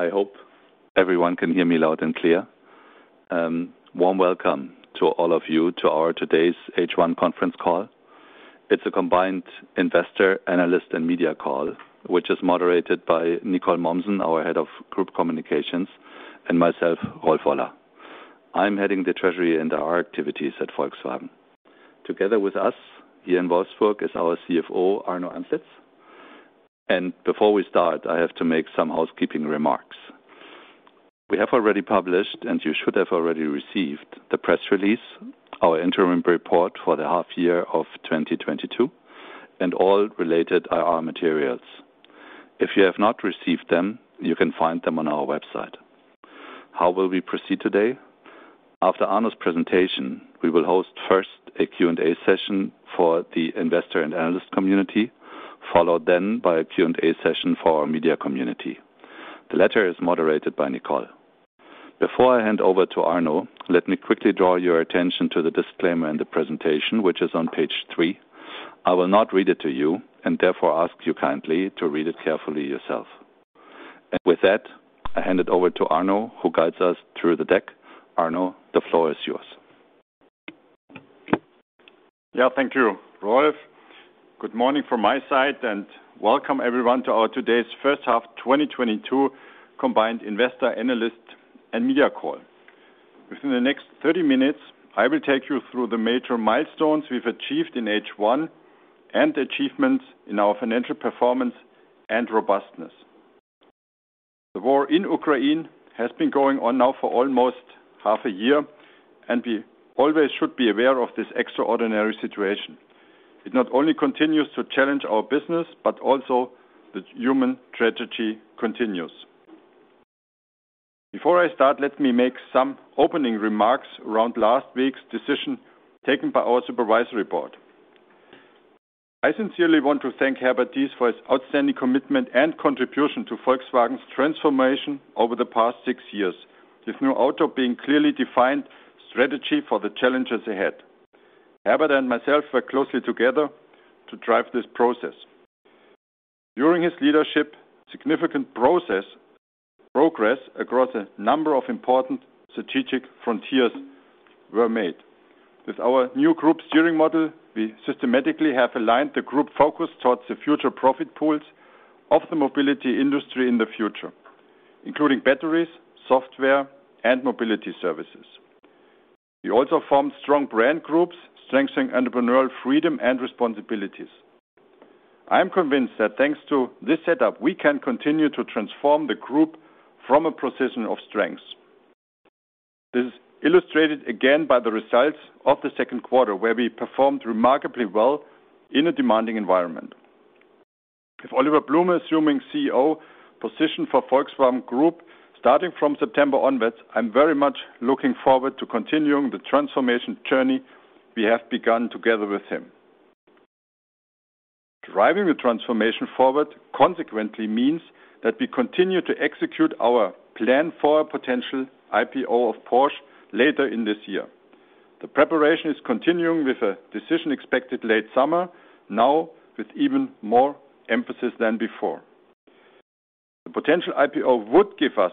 I hope everyone can hear me loud and clear. Warm welcome to all of you to our today's H1 conference call. It's a combined investor, analyst and media call, which is moderated by Nicole Mommsen, our head of group communications, and myself, Rolf Woller. I'm heading the treasury and IR activities at Volkswagen. Together with us here in Wolfsburg is our CFO, Arno Antlitz. Before we start, I have to make some housekeeping remarks. We have already published, and you should have already received the press release, our interim report for the half year of 2022 and all related IR materials. If you have not received them, you can find them on our website. How will we proceed today? After Arno's presentation, we will host first a Q&A session for the investor and analyst community, followed then by a Q&A session for our media community. The latter is moderated by Nicole. Before I hand over to Arno, let me quickly draw your attention to the disclaimer in the presentation, which is on page 3. I will not read it to you and therefore ask you kindly to read it carefully yourself. With that, I hand it over to Arno, who guides us through the deck. Arno, the floor is yours. Yeah, thank you, Rolf. Good morning from my side and welcome everyone to our today's first half 2022 combined investor, analyst and media call. Within the next 30 minutes, I will take you through the major milestones we've achieved in H1 and achievements in our financial performance and robustness. The war in Ukraine has been going on now for almost half a year and we always should be aware of this extraordinary situation. It not only continues to challenge our business, but also the human tragedy continues. Before I start, let me make some opening remarks around last week's decision taken by our supervisory board. I sincerely want to thank Herbert Diess for his outstanding commitment and contribution to Volkswagen's transformation over the past 6 years, with NEW AUTO being clearly defined strategy for the challenges ahead. Herbert and myself work closely together to drive this process. During his leadership, significant progress across a number of important strategic frontiers were made. With our new group steering model, we systematically have aligned the group focus towards the future profit pools of the mobility industry in the future, including batteries, software and mobility services. We also formed strong brand groups, strengthening entrepreneurial freedom and responsibilities. I am convinced that thanks to this setup, we can continue to transform the group from a position of strength. This is illustrated again by the results of the second quarter, where we performed remarkably well in a demanding environment. With Oliver Blume assuming CEO position for Volkswagen Group starting from September onwards, I'm very much looking forward to continuing the transformation journey we have begun together with him. Driving the transformation forward consequently means that we continue to execute our plan for a potential IPO of Porsche later in this year. The preparation is continuing with a decision expected late summer, now with even more emphasis than before. The potential IPO would give us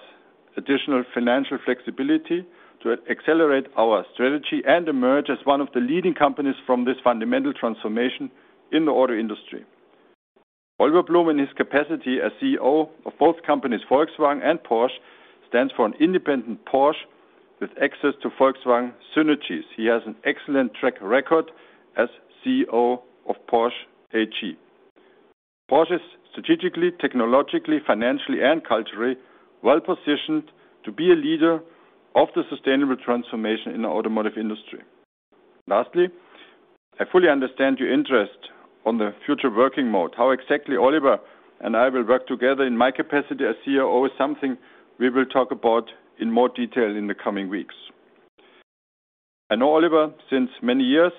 additional financial flexibility to accelerate our strategy and emerge as one of the leading companies from this fundamental transformation in the auto industry. Oliver Blume, in his capacity as CEO of both companies, Volkswagen and Porsche, stands for an independent Porsche with access to Volkswagen synergies. He has an excellent track record as CEO of Porsche AG. Porsche is strategically, technologically, financially and culturally well-positioned to be a leader of the sustainable transformation in the automotive industry. Lastly, I fully understand your interest in the future working mode. How exactly Oliver and I will work together in my capacity as CEO is something we will talk about in more detail in the coming weeks. I know Oliver since many years,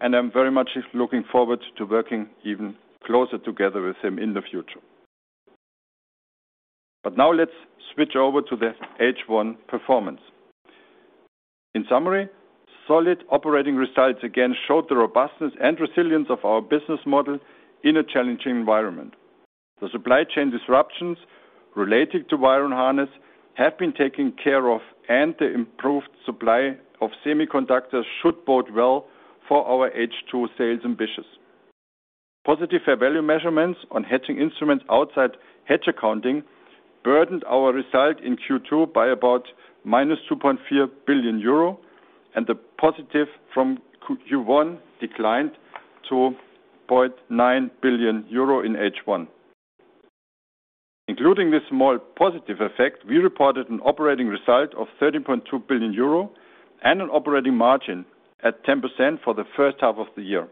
and I'm very much looking forward to working even closer together with him in the future. Now let's switch over to the H1 performance. In summary, solid operating results again showed the robustness and resilience of our business model in a challenging environment. The supply chain disruptions related to wire and harness have been taken care of and the improved supply of semiconductors should bode well for our H2 sales ambitions. Positive fair value measurements on hedging instruments outside hedge accounting burdened our result in Q2 by about -2.4 billion euro and the positive from Q1 declined to 0.9 billion euro in H1. Including this small positive effect, we reported an operating result of 13.2 billion euro and an operating margin at 10% for the first half of the year.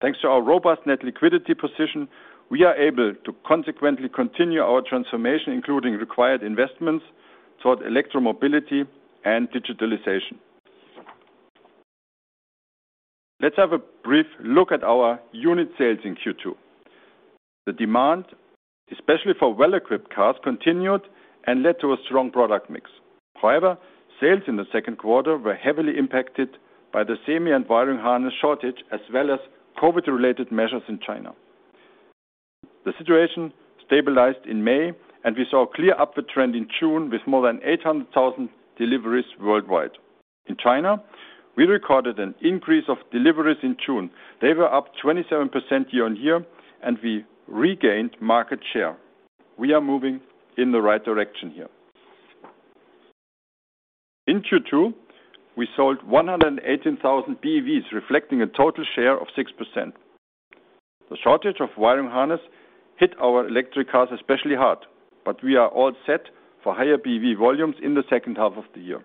Thanks to our robust net liquidity position, we are able to consequently continue our transformation, including required investments towards electromobility and digitalization. Let's have a brief look at our unit sales in Q2. The demand, especially for well-equipped cars, continued and led to a strong product mix. However, sales in the second quarter were heavily impacted by the semi and wiring harness shortage, as well as COVID-related measures in China. The situation stabilized in May, and we saw a clear upward trend in June with more than 800,000 deliveries worldwide. In China, we recorded an increase of deliveries in June. They were up 27% year-over-year, and we regained market share. We are moving in the right direction here. In Q2, we sold 118,000 BEVs, reflecting a total share of 6%. The shortage of wiring harness hit our electric cars especially hard, but we are all set for higher BEV volumes in the second half of the year.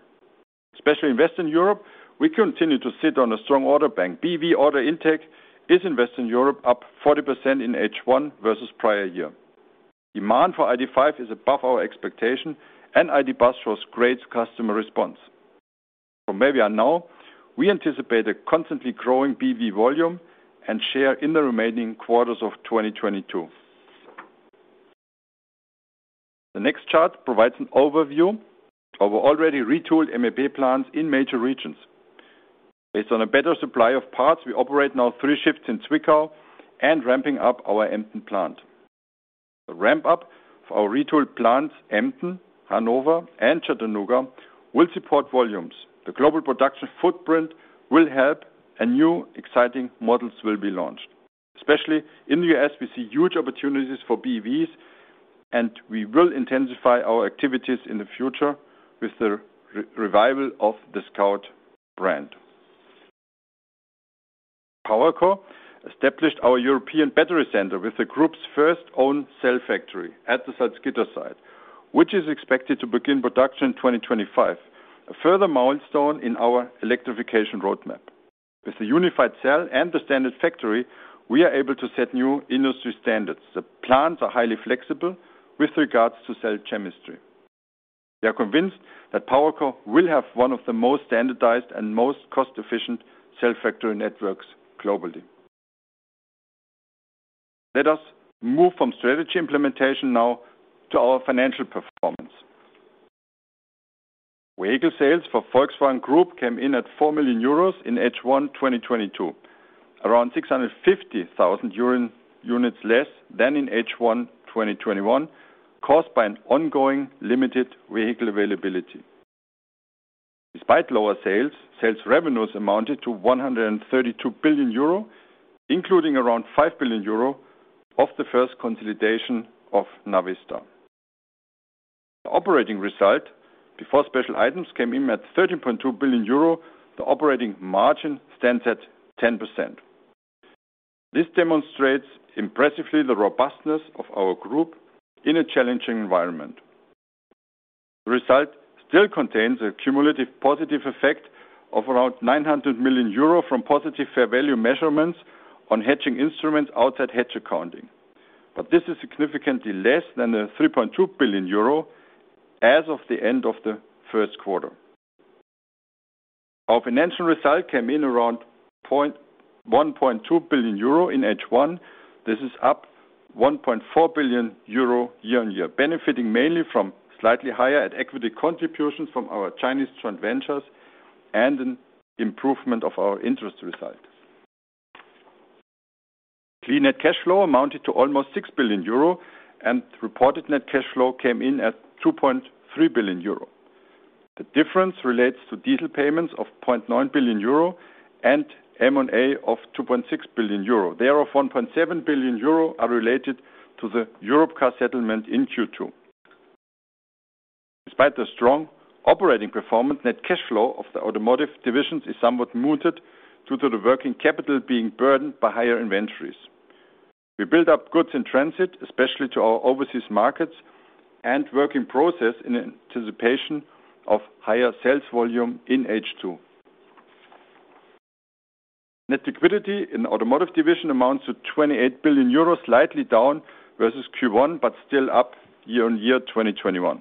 Especially in Western Europe, we continue to sit on a strong order bank. BEV order intake is in Western Europe up 40% in H1 versus prior year. Demand for ID.5 is above our expectation and ID. Buzz shows great customer response. From where we are now, we anticipate a constantly growing BEV volume and share in the remaining quarters of 2022. The next chart provides an overview of our already retooled MEB plants in major regions. Based on a better supply of parts, we operate now 3 shifts in Zwickau and ramping up our Emden plant. The ramp-up of our retooled plants, Emden, Hanover, and Chattanooga, will support volumes. The global production footprint will help and new exciting models will be launched. Especially in the US, we see huge opportunities for BEVs, and we will intensify our activities in the future with the revival of the Scout brand. PowerCo established our European battery center with the group's first own cell factory at the Salzgitter site, which is expected to begin production in 2025, a further milestone in our electrification roadmap. With the unified cell and the standard factory, we are able to set new industry standards. The plants are highly flexible with regards to cell chemistry. We are convinced that PowerCo will have one of the most standardized and most cost-efficient cell factory networks globally. Let us move from strategy implementation now to our financial performance. Vehicle sales for Volkswagen Group came in at 4 million euros in H1 2022, around 650,000 units less than in H1 2021, caused by an ongoing limited vehicle availability. Despite lower sales revenues amounted to 132 billion euro, including around 5 billion euro of the first consolidation of Navistar. The operating result before special items came in at 13.2 billion euro. The operating margin stands at 10%. This demonstrates impressively the robustness of our group in a challenging environment. The result still contains a cumulative positive effect of around 900 million euro from positive fair value measurements on hedging instruments outside hedge accounting. This is significantly less than the 3.2 billion euro as of the end of the first quarter. Our financial result came in around 1.2 billion euro in H1. This is up 1.4 billion euro year-on-year, benefiting mainly from slightly higher at equity contributions from our Chinese joint ventures and an improvement of our interest results. Clean net cash flow amounted to almost 6 billion euro, and reported net cash flow came in at 2.3 billion euro. The difference relates to diesel payments of 0.9 billion euro and M&A of 2.6 billion euro. Therefore, 1.7 billion euro are related to the Europcar settlement in Q2. Despite the strong operating performance, net cash flow of the automotive divisions is somewhat muted due to the working capital being burdened by higher inventories. We build up goods in transit, especially to our overseas markets and work in process in anticipation of higher sales volume in H2. Net liquidity in automotive division amounts to 28 billion euros, slightly down versus Q1, but still up year-on-year 2021.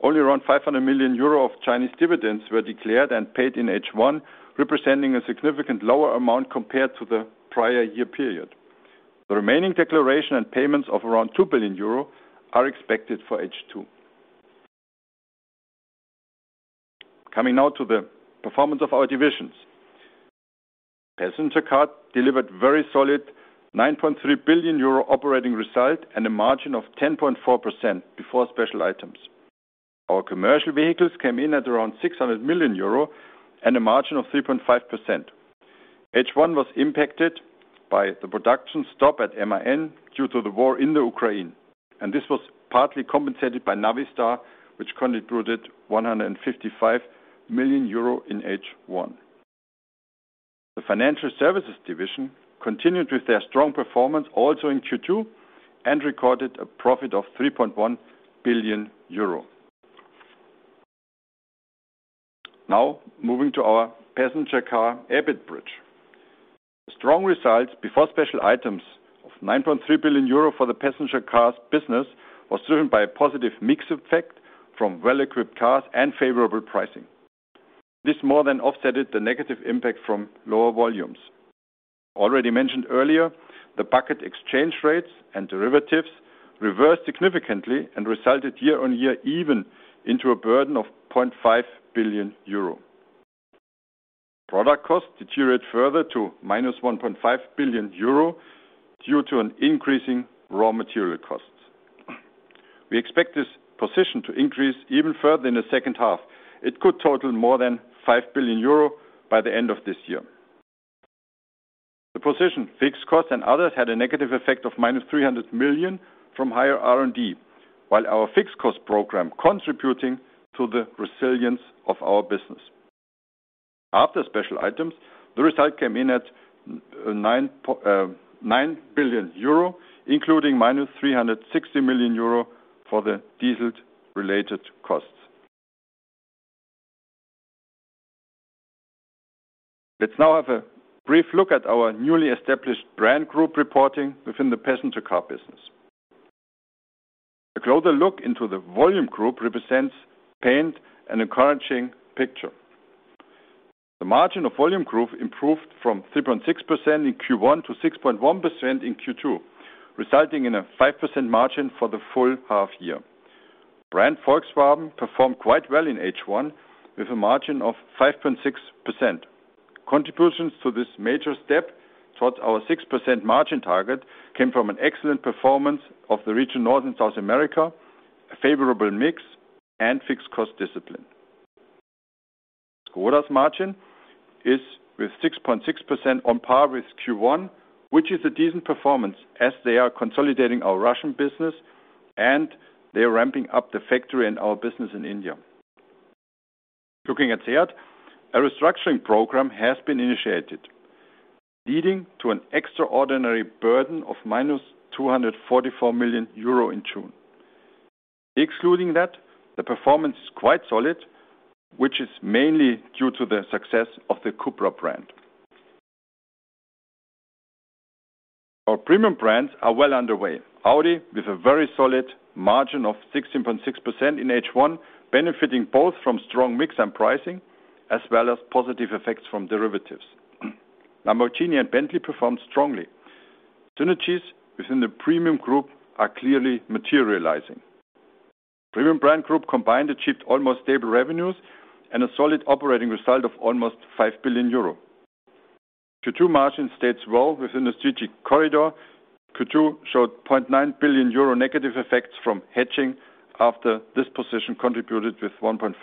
Only around 500 million euro of Chinese dividends were declared and paid in H1, representing a significantly lower amount compared to the prior year period. The remaining declaration and payments of around 2 billion euro are expected for H2. Coming now to the performance of our divisions. Passenger car delivered very solid 9.3 billion euro operating result and a margin of 10.4% before special items. Our commercial vehicles came in at around 600 million euro and a margin of 3.5%. H1 was impacted by the production stop at MAN due to the war in the Ukraine, and this was partly compensated by Navistar, which contributed 155 million euro in H1. The financial services division continued with their strong performance also in Q2 and recorded a profit of 3.1 billion euro. Now, moving to our passenger car EBIT bridge. The strong results before special items of 9.3 billion euro for the passenger cars business was driven by a positive mix effect from well-equipped cars and favorable pricing. This more than offset the negative impact from lower volumes. Already mentioned earlier, the FX exchange rates and derivatives reversed significantly and resulted year-on-year even into a burden of 0.5 billion euro. Product costs deteriorate further to -1.5 billion euro due to an increasing raw material costs. We expect this position to increase even further in the second half. It could total more than 5 billion euro by the end of this year. The position fixed costs and others had a negative effect of -300 million from higher R&D, while our fixed cost program contributing to the resilience of our business. After special items, the result came in at 9 billion euro, including -360 million euro for the diesel-related costs. Let's now have a brief look at our newly established brand group reporting within the passenger car business. A closer look into the volume group paints an encouraging picture. The margin of volume group improved from 3.6% in Q1 to 6.1% in Q2, resulting in a 5% margin for the full half year. Brand Volkswagen performed quite well in H1 with a margin of 5.6%. Contributions to this major step towards our 6% margin target came from an excellent performance of the region North and South America, a favorable mix and fixed cost discipline. ŠKODA's margin is, with 6.6% on par with Q1, which is a decent performance as they are consolidating our Russian business and they are ramping up the factory and our business in India. Looking at SEAT, a restructuring program has been initiated, leading to an extraordinary burden of -244 million euro in June. Excluding that, the performance is quite solid, which is mainly due to the success of the Cupra brand. Our premium brands are well underway. Audi with a very solid margin of 16.6% in H1, benefiting both from strong mix and pricing as well as positive effects from derivatives. Lamborghini and Bentley performed strongly. Synergies within the premium group are clearly materializing. Premium brand group combined achieved almost stable revenues and a solid operating result of almost 5 billion euro. Q2 margin stays well within the strategic corridor. Q2 showed 0.9 billion euro negative effects from hedging after this position contributed with 1.5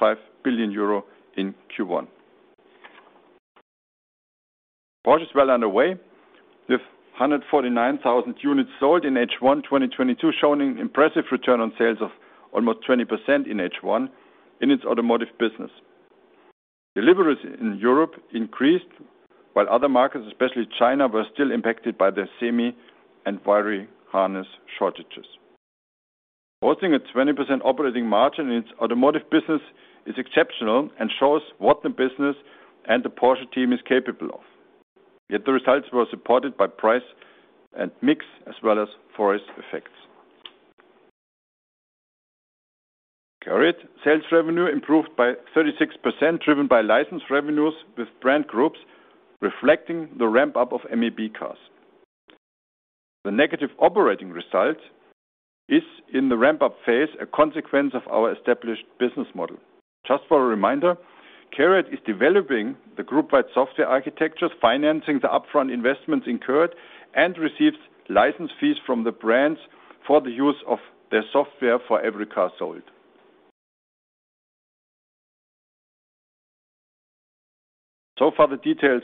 billion euro in Q1. Porsche is well underway, with 149,000 units sold in H1 2022, showing impressive return on sales of almost 20% in H1 in its automotive business. Deliveries in Europe increased, while other markets, especially China, were still impacted by the semi and wiring harness shortages. Posting a 20% operating margin in its automotive business is exceptional and shows what the business and the Porsche team is capable of. Yet the results were supported by price and mix as well as ForEx effects. CARIAD sales revenue improved by 36%, driven by license revenues with brand groups reflecting the ramp up of MEB cars. The negative operating result is in the ramp up phase, a consequence of our established business model. Just for a reminder, CARIAD is developing the group-wide software architectures, financing the upfront investments incurred, and receives license fees from the brands for the use of their software for every car sold. So far the details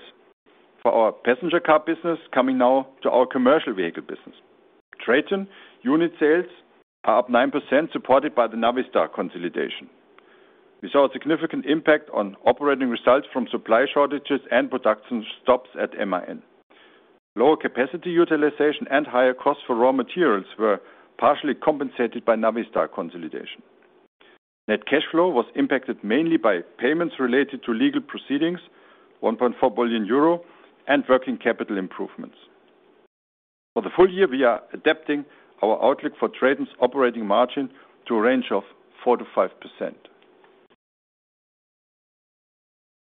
for our passenger car business. Coming now to our commercial vehicle business. Traton unit sales are up 9%, supported by the Navistar consolidation. We saw a significant impact on operating results from supply shortages and production stops at MAN. Lower capacity utilization and higher costs for raw materials were partially compensated by Navistar consolidation. Net cash flow was impacted mainly by payments related to legal proceedings, 1.4 billion euro, and working capital improvements. For the full year, we are adapting our outlook for Traton's operating margin to a range of 4%-5%.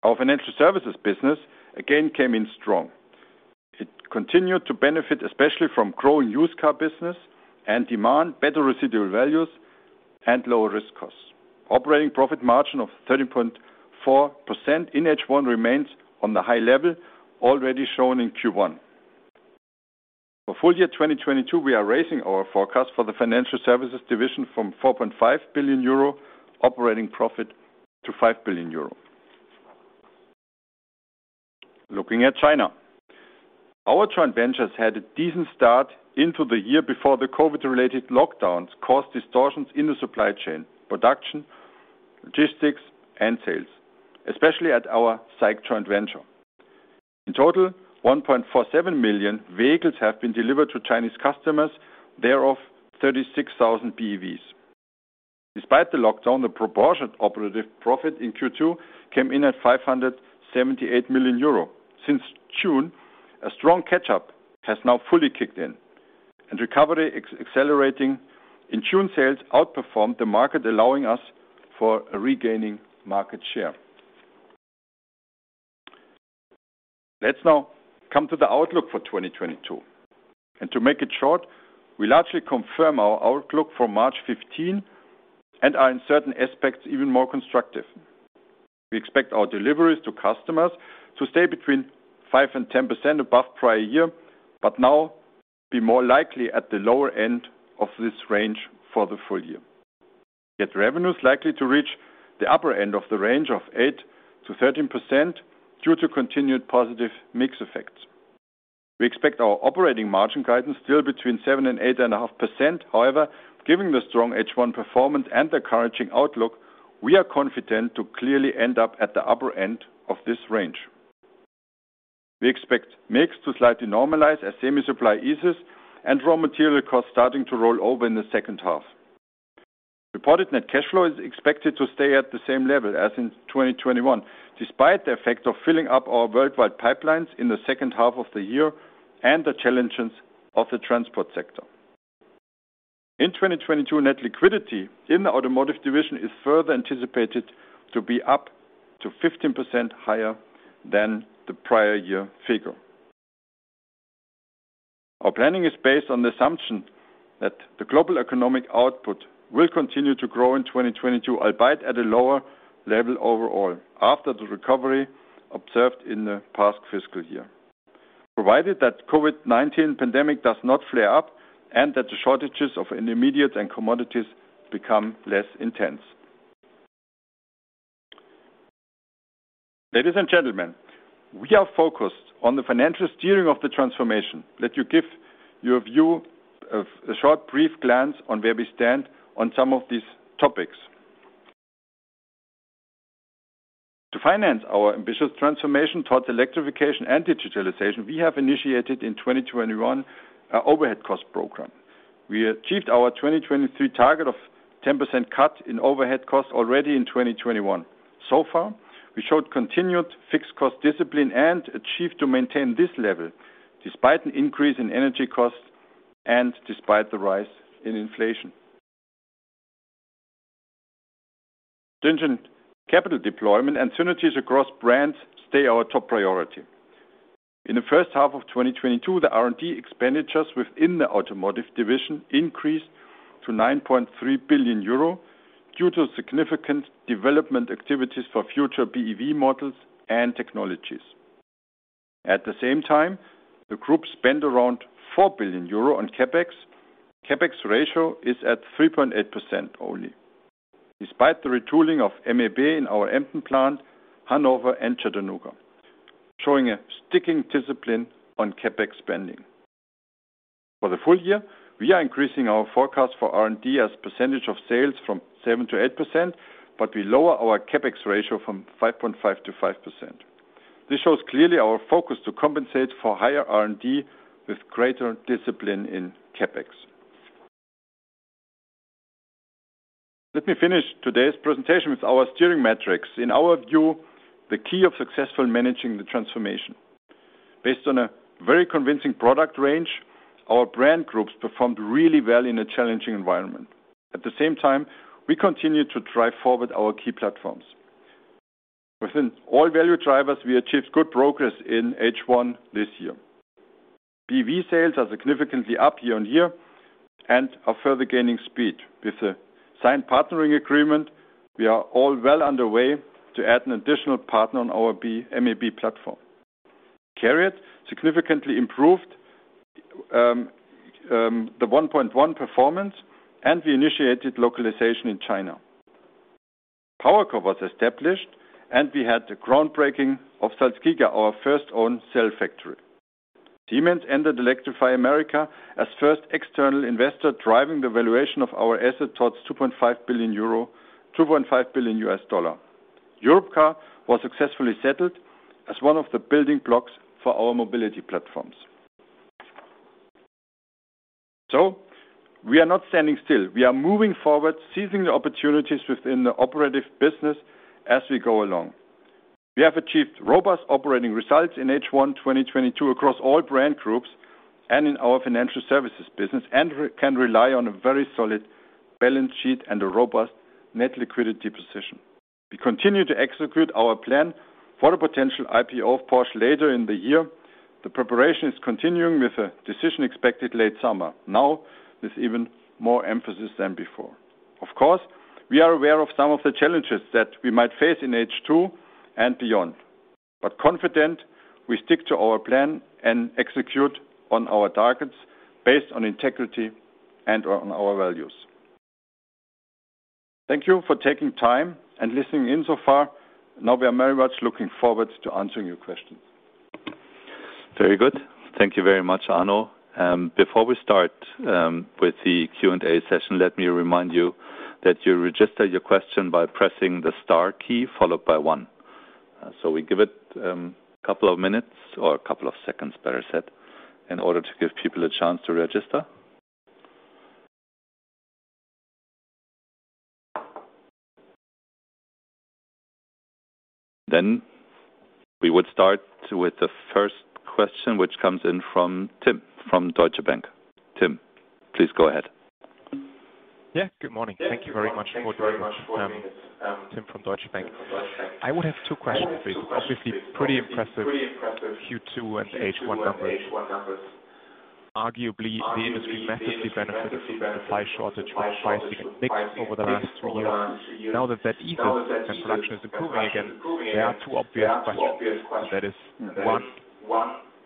Our financial services business again came in strong. It continued to benefit, especially from growing used car business and demand better residual values and lower risk costs. Operating profit margin of 13.4% in H1 remains on the high level already shown in Q1. For full year 2022, we are raising our forecast for the financial services division from 4.5 billion euro operating profit to 5 billion euro. Looking at China. Our joint ventures had a decent start into the year before the COVID-19-related lockdowns caused distortions in the supply chain, production, logistics and sales, especially at our SAIC joint venture. In total, 1.47 million vehicles have been delivered to Chinese customers, thereof 36,000 BEVs. Despite the lockdown, the reported operating profit in Q2 came in at 578 million euro. Since June, a strong catch-up has now fully kicked in. Recovery is accelerating in June sales outperformed the market, allowing us to regain market share. Let's now come to the outlook for 2022. To make it short, we largely confirm our outlook for March 15 and are in certain aspects even more constructive. We expect our deliveries to customers to stay between 5%-10% above prior year, but now be more likely at the lower end of this range for the full year. Yet revenue is likely to reach the upper end of the range of 8%-13% due to continued positive mix effects. We expect our operating margin guidance still between 7% and 8.5%. However, given the strong H1 performance and encouraging outlook, we are confident to clearly end up at the upper end of this range. We expect mix to slightly normalize as semi supply eases and raw material costs starting to roll over in the second half. Reported net cash flow is expected to stay at the same level as in 2021, despite the effect of filling up our worldwide pipelines in the second half of the year and the challenges of the transport sector. In 2022, net liquidity in the automotive division is further anticipated to be up to 15% higher than the prior year figure. Our planning is based on the assumption that the global economic output will continue to grow in 2022, albeit at a lower level overall, after the recovery observed in the past fiscal year, provided that COVID-19 pandemic does not flare up and that the shortages of intermediates and commodities become less intense. Ladies and gentlemen, we are focused on the financial steering of the transformation. Let me give you a brief glance on where we stand on some of these topics. To finance our ambitious transformation towards electrification and digitalization, we have initiated in 2021 our overhead cost program. We achieved our 2023 target of 10% cut in overhead costs already in 2021. So far, we showed continued fixed cost discipline and achieved to maintain this level despite an increase in energy costs and despite the rise in inflation. Prudent capital deployment and synergies across brands stay our top priority. In the first half of 2022, the R&D expenditures within the automotive division increased to 9.3 billion euro due to significant development activities for future BEV models and technologies. At the same time, the group spent around 4 billion euro on CapEx. CapEx ratio is at 3.8% only. Despite the retooling of MEB in our Emden plant, Hanover and Chattanooga, showing a strict discipline on CapEx spending. For the full year, we are increasing our forecast for R&D as percentage of sales from 7%-8%, but we lower our CapEx ratio from 5.5%-5%. This shows clearly our focus to compensate for higher R&D with greater discipline in CapEx. Let me finish today's presentation with our steering metrics. In our view, the key to successful managing the transformation. Based on a very convincing product range, our brand groups performed really well in a challenging environment. At the same time, we continue to drive forward our key platforms. Within all value drivers, we achieved good progress in H1 this year. BEV sales are significantly up year-over-year and are further gaining speed. With the signed partnering agreement, we are all well underway to add an additional partner on our MEB platform. CARIAD significantly improved the 1.1 performance, and we initiated localization in China. PowerCo was established, and we had the groundbreaking of SalzGiga, our first own cell factory. Siemens entered Electrify America as first external investor, driving the valuation of our asset towards 2.5 billion euro, $2.5 billion. Europcar was successfully settled as one of the building blocks for our mobility platforms. We are not standing still. We are moving forward, seizing the opportunities within the operative business as we go along. We have achieved robust operating results in H1 2022 across all brand groups and in our financial services business and we can rely on a very solid balance sheet and a robust net liquidity position. We continue to execute our plan for a potential IPO of Porsche later in the year. The preparation is continuing with a decision expected in late summer. Now with even more emphasis than before. Of course, we are aware of some of the challenges that we might face in H2 and beyond. We are confident we stick to our plan and execute on our targets based on integrity and on our values. Thank you for taking time and listening in so far. Now we are very much looking forward to answering your questions. Very good. Thank you very much, Arno. Before we start with the Q&A session, let me remind you that you register your question by pressing the star key followed by one. We give it a couple of minutes or a couple of seconds, better said, in order to give people a chance to register. We would start with the first question, which comes in from Tim from Deutsche Bank. Tim, please go ahead. Yeah, good morning. Thank you very much to Tim from Deutsche Bank. I would have two questions please. Obviously pretty impressive Q2 and H1 numbers. Arguably, the industry massively benefited from the supply shortage with pricing and mix over the last two years. Now that eases and production is improving again, there are two obvious questions. That is, one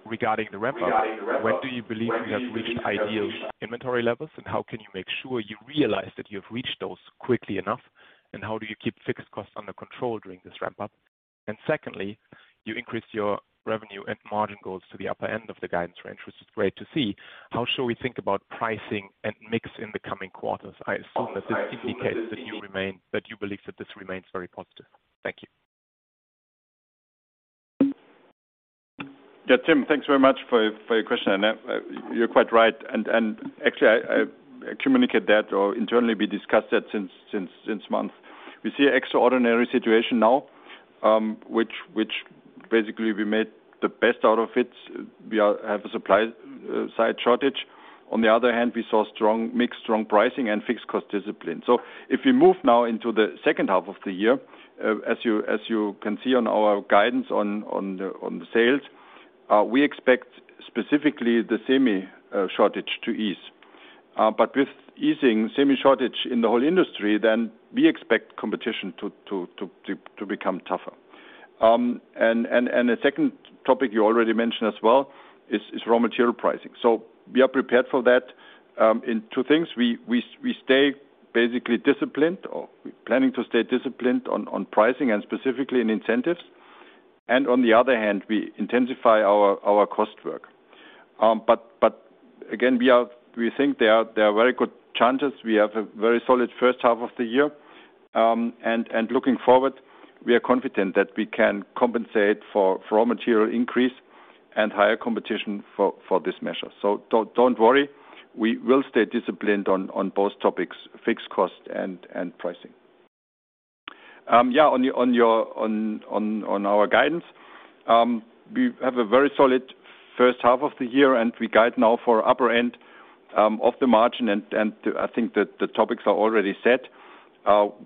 regarding the ramp up. When do you believe you have reached ideal inventory levels, and how can you make sure you realize that you have reached those quickly enough? How do you keep fixed costs under control during this ramp up? Secondly, you increased your revenue and margin goals to the upper end of the guidance range, which is great to see. How should we think about pricing and mix in the coming quarters? I assume that this indicates that you believe that this remains very positive. Thank you. Yeah, Tim, thanks very much for your question, and you're quite right. Actually, I communicate that, or internally we discussed that since month. We see extraordinary situation now, which basically we made the best out of it. We have a supply side shortage. On the other hand, we saw strong mix, strong pricing and fixed cost discipline. If we move now into the second half of the year, as you can see on our guidance on the sales, we expect specifically the semi shortage to ease. But with easing semi shortage in the whole industry, then we expect competition to become tougher. The second topic you already mentioned as well is raw material pricing. We are prepared for that in two things. We stay basically disciplined or planning to stay disciplined on pricing and specifically in incentives. On the other hand, we intensify our cost work. Again, we think there are very good chances. We have a very solid first half of the year, and looking forward, we are confident that we can compensate for raw material increase and higher competition for this measure. Don't worry, we will stay disciplined on both topics, fixed cost and pricing. On our guidance, we have a very solid first half of the year, and we guide now for upper end of the margin. I think that the topics are already set.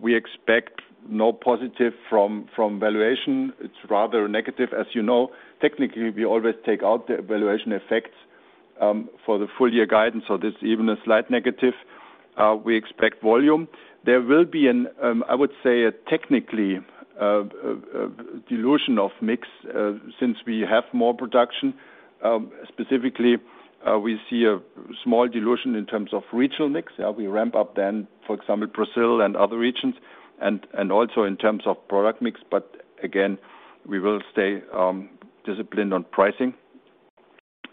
We expect no positive from valuation. It's rather negative as you know. Technically, we always take out the valuation effects for the full year guidance. There's even a slight negative. We expect volume. There will be, I would say, a dilution of mix since we have more production. Specifically, we see a small dilution in terms of regional mix. We ramp up then, for example, Brazil and other regions and also in terms of product mix. Again, we will stay disciplined on pricing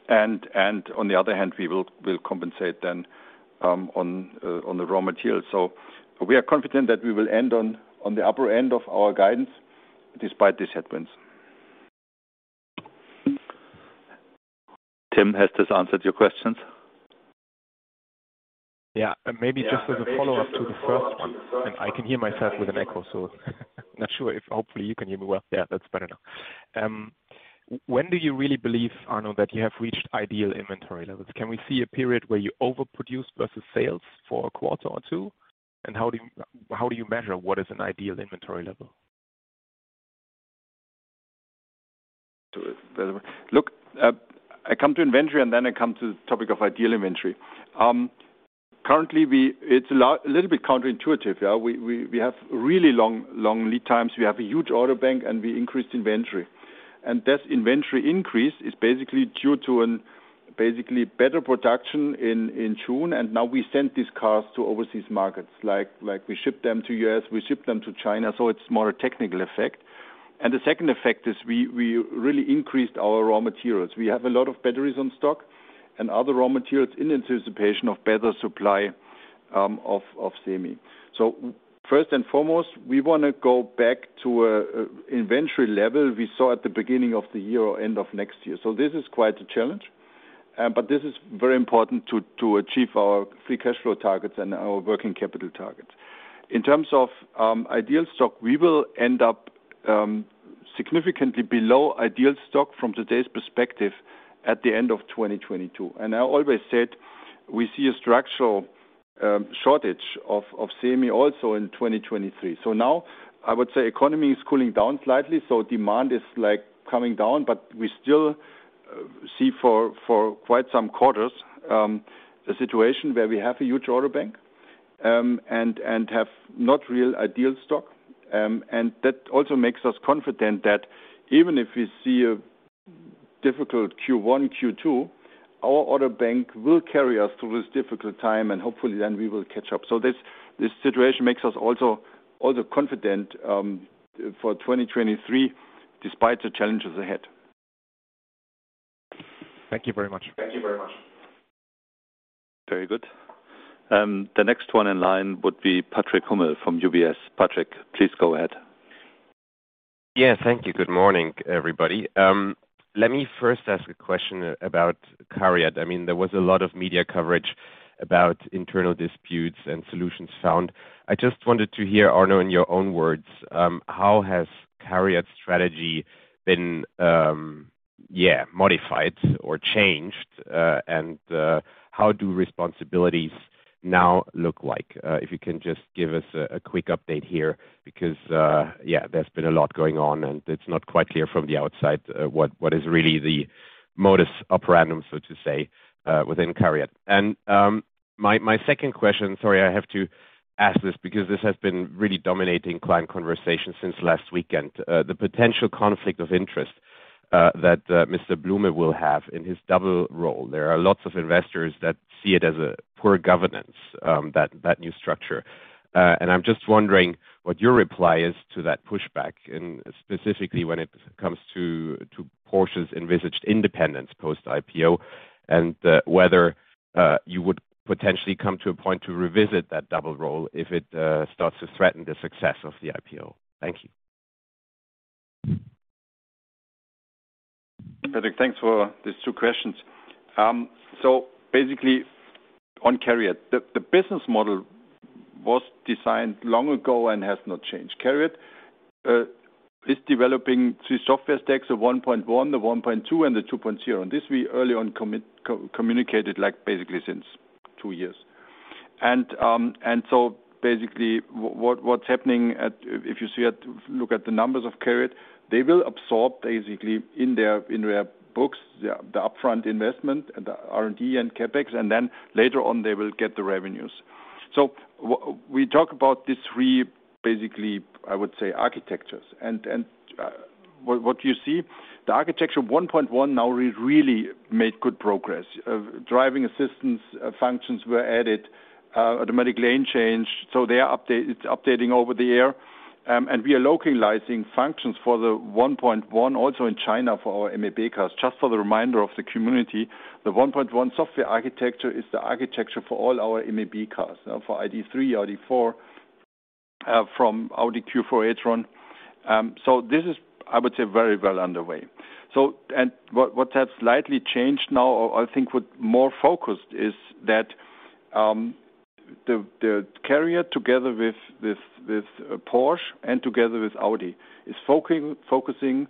and on the other hand we will compensate then on the raw materials. We are confident that we will end on the upper end of our guidance despite these headwinds. Tim, has this answered your questions? Yeah. Maybe just as a follow-up to the first one. I can hear myself with an echo, so not sure if hopefully you can hear me well. Yeah, that's better now. When do you really believe, Arno, that you have reached ideal inventory levels? Can we see a period where you overproduce versus sales for a quarter or two? How do you measure what is an ideal inventory level? Look, I come to inventory and then I come to the topic of ideal inventory. Currently, it's a little bit counterintuitive, yeah. We have really long lead times. We have a huge order bank, and we increased inventory. That inventory increase is basically due to a basically better production in June. Now we send these cars to overseas markets, like we ship them to U.S., we ship them to China. It's more a technical effect. The second effect is we really increased our raw materials. We have a lot of batteries on stock and other raw materials in anticipation of better supply of semi. First and foremost, we want to go back to inventory level we saw at the beginning of the year or end of next year. This is quite a challenge, but this is very important to achieve our free cash flow targets and our working capital targets. In terms of ideal stock, we will end up significantly below ideal stock from today's perspective at the end of 2022. I always said we see a structural shortage of semi also in 2023. Now I would say economy is cooling down slightly, so demand is like coming down. We still see for quite some quarters a situation where we have a huge order bank and have not real ideal stock. That also makes us confident that even if we see a difficult Q1, Q2, our order bank will carry us through this difficult time and hopefully then we will catch up. This situation makes us also confident for 2023, despite the challenges ahead. Thank you very much. Very good. The next one in line would be Patrick Hummel from UBS. Patrick, please go ahead. Thank you. Good morning, everybody. Let me first ask a question about CARIAD. I mean, there was a lot of media coverage about internal disputes and solutions found. I just wanted to hear, Arno, in your own words, how has CARIAD's strategy been modified or changed. How do responsibilities now look like? If you can just give us a quick update here because there's been a lot going on, and it's not quite clear from the outside what is really the modus operandi, so to say, within CARIAD. My second question, sorry, I have to ask this because this has been really dominating client conversation since last weekend. The potential conflict of interest that Mr. Blume will have in his double role. There are lots of investors that see it as a poor governance, that new structure. I'm just wondering what your reply is to that pushback and specifically when it comes to Porsche's envisaged independence post IPO, and whether you would potentially come to a point to revisit that double role if it starts to threaten the success of the IPO. Thank you. Patrick, thanks for these two questions. Basically on CARIAD, the business model was designed long ago and has not changed. CARIAD is developing three software stacks, the 1.1, the 1.2, and the 2.0. This we early on communicated, like, basically since two years. Basically, what's happening if you look at the numbers of CARIAD, they will absorb basically in their books the upfront investment, the R&D and CapEx, and then later on they will get the revenues. We talk about these three, basically, I would say architectures. What you see, the architecture 1.1 now really made good progress. Driving assistance functions were added, automatic lane change, so they are updating, it's updating Over-the-Air. We are localizing functions for the 1.1 also in China for our MEB cars. Just for the reminder of the community, the 1.1 software architecture is the architecture for all our MEB cars, for ID.3, ID.4, from Audi Q4 e-tron. This is, I would say, very well underway. What has slightly changed now, or I think we're more focused, is that, the CARIAD together with Porsche and together with Audi, is focusing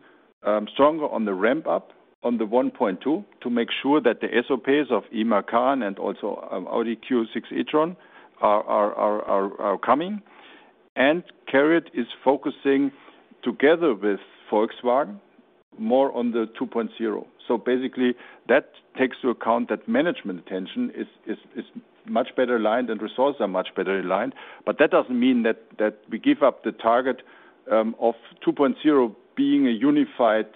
stronger on the ramp up on the 1.2 to make sure that the SOPs of Macan and also, Audi Q6 e-tron are coming. CARIAD is focusing together with Volkswagen more on the 2.0. Basically that takes into account that management attention is much better aligned and resources are much better aligned. That doesn't mean that we give up the target of 2.0 being a unified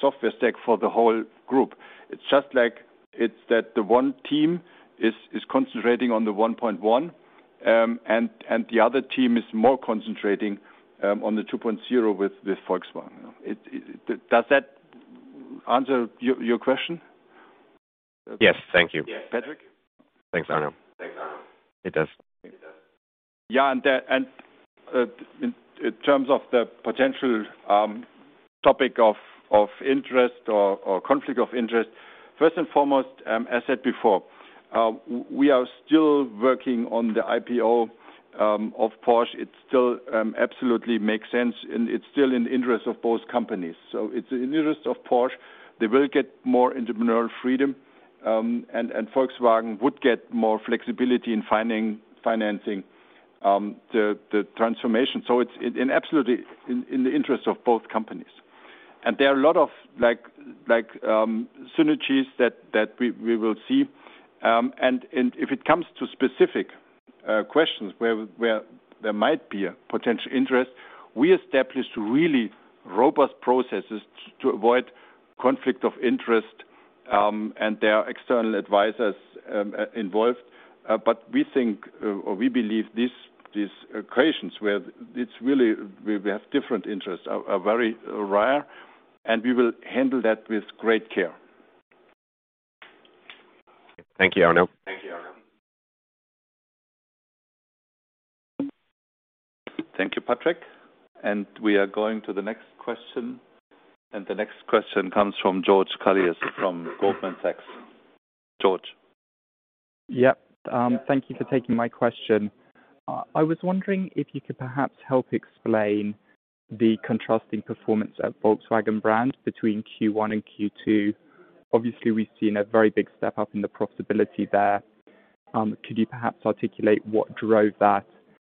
software stack for the whole group. It's just like it's that the one team is concentrating on the 1.1 and the other team is more concentrating on the 2.0 with Volkswagen. Does that answer your question? Yes. Thank you. Patrick? Thanks, Arno. It does. In terms of the potential topic of interest or conflict of interest, first and foremost, as said before, we are still working on the IPO of Porsche. It still absolutely makes sense and it's still in the interest of both companies. It's in the interest of Porsche. They will get more entrepreneurial freedom, and Volkswagen would get more flexibility in finding financing the transformation. It's absolutely in the interest of both companies. There are a lot of, like, synergies that we will see. If it comes to specific questions where there might be a potential interest, we established really robust processes to avoid conflict of interest, and there are external advisors involved. We think, or we believe these situations where it's really we have different interests are very rare, and we will handle that with great care. Thank you, Arno. Thank you, Patrick. We are going to the next question, and the next question comes from George Galliers from Goldman Sachs. George. Thank you for taking my question. I was wondering if you could perhaps help explain the contrasting performance of Volkswagen brands between Q1 and Q2. Obviously, we've seen a very big step up in the profitability there. Could you perhaps articulate what drove that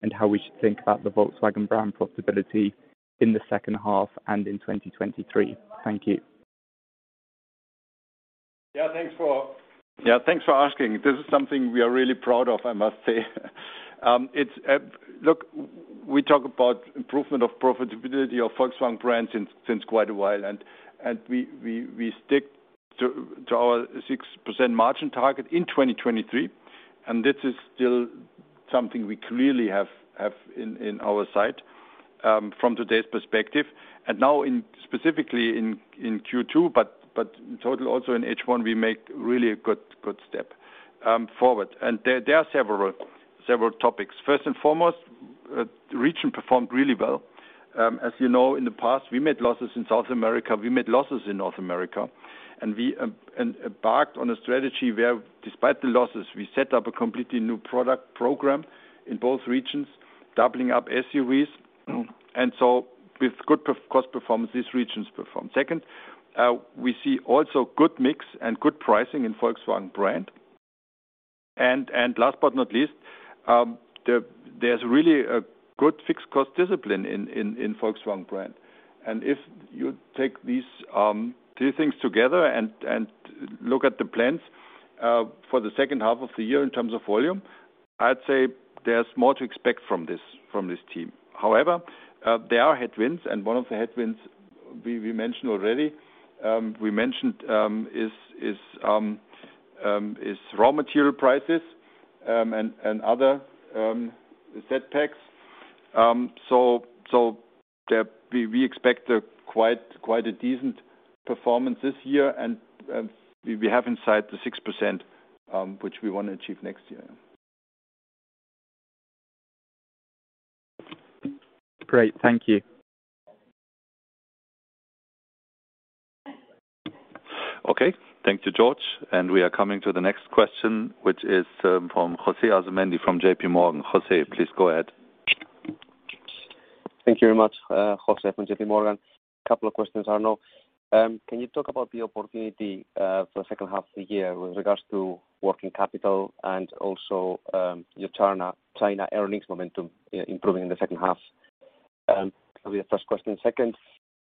and how we should think about the Volkswagen brand profitability in the second half and in 2023? Thank you. Yeah. Thanks for asking. This is something we are really proud of, I must say. Look, we talk about improvement of profitability of Volkswagen brand since quite a while, and we stick to our 6% margin target in 2023. This is still something we clearly have in our sight from today's perspective. Now specifically in Q2, but in total also in H1, we make really a good step forward. There are several topics. First and foremost, the region performed really well. As you know, in the past, we made losses in South America, we made losses in North America, and we embarked on a strategy where despite the losses, we set up a completely new product program in both regions. Doubling up SUVs. With good per-unit cost performance, these regions perform. Second, we see also good mix and good pricing in Volkswagen brand. Last but not least, there's really a good fixed cost discipline in Volkswagen brand. If you take these three things together and look at the plans for the second half of the year in terms of volume, I'd say there's more to expect from this team. However, there are headwinds, and one of the headwinds we mentioned already is raw material prices and other setbacks. We expect quite a decent performance this year and we have in sight the 6%, which we wanna achieve next year. Great. Thank you. Okay. Thank you, George. We are coming to the next question, which is, from José Asumendi from JPMorgan. José, please go ahead. Thank you very much, José from JP Morgan. A couple of questions, Arno. Can you talk about the opportunity for the second half of the year with regards to working capital and also your China earnings momentum improving in the second half? That'll be the first question. Second,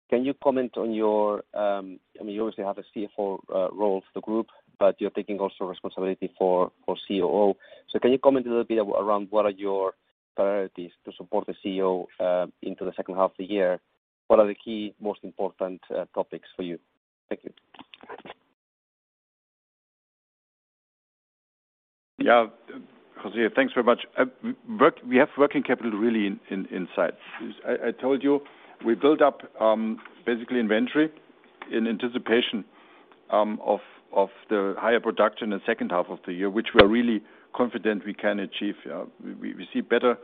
can you comment on your, I mean, you obviously have a CFO role for the group, but you're taking also responsibility for COO. Can you comment a little bit around what are your priorities to support the COO into the second half of the year? What are the key, most important topics for you? Thank you. Yeah. José, thanks very much. We have working capital really in sight. I told you we built up basically inventory in anticipation of the higher production in the second half of the year, which we are really confident we can achieve. We see better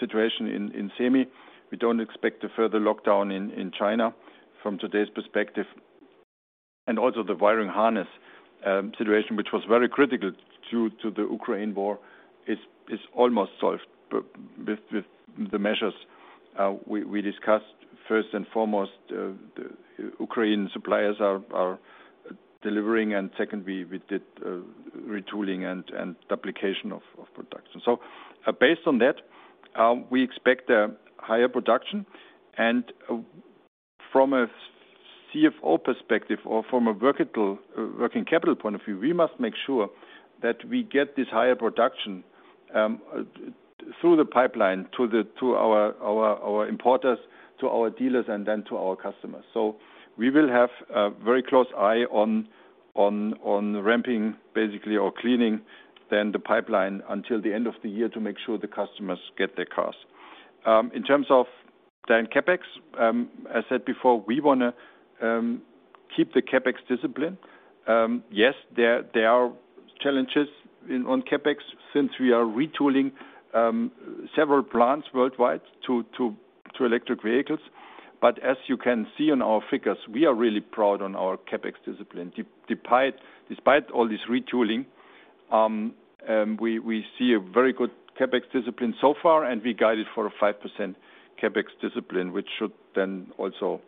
situation in semi. We don't expect a further lockdown in China from today's perspective. Also the wiring harness situation, which was very critical due to the Ukraine war, is almost solved with the measures we discussed. First and foremost, the Ukraine suppliers are delivering, and second, we did retooling and duplication of production. Based on that, we expect a higher production. From a CFO perspective or from a working capital point of view, we must make sure that we get this higher production through the pipeline to our importers, to our dealers, and then to our customers. We will have a very close eye on ramping basically or cleaning then the pipeline until the end of the year to make sure the customers get their cars. In terms of CapEx, I said before, we wanna keep the CapEx discipline. Yes, there are challenges on CapEx since we are retooling several plants worldwide to electric vehicles. As you can see on our figures, we are really proud of our CapEx discipline. Despite all this retooling, we see a very good CapEx discipline so far, and we guided for a 5% CapEx discipline, which should then also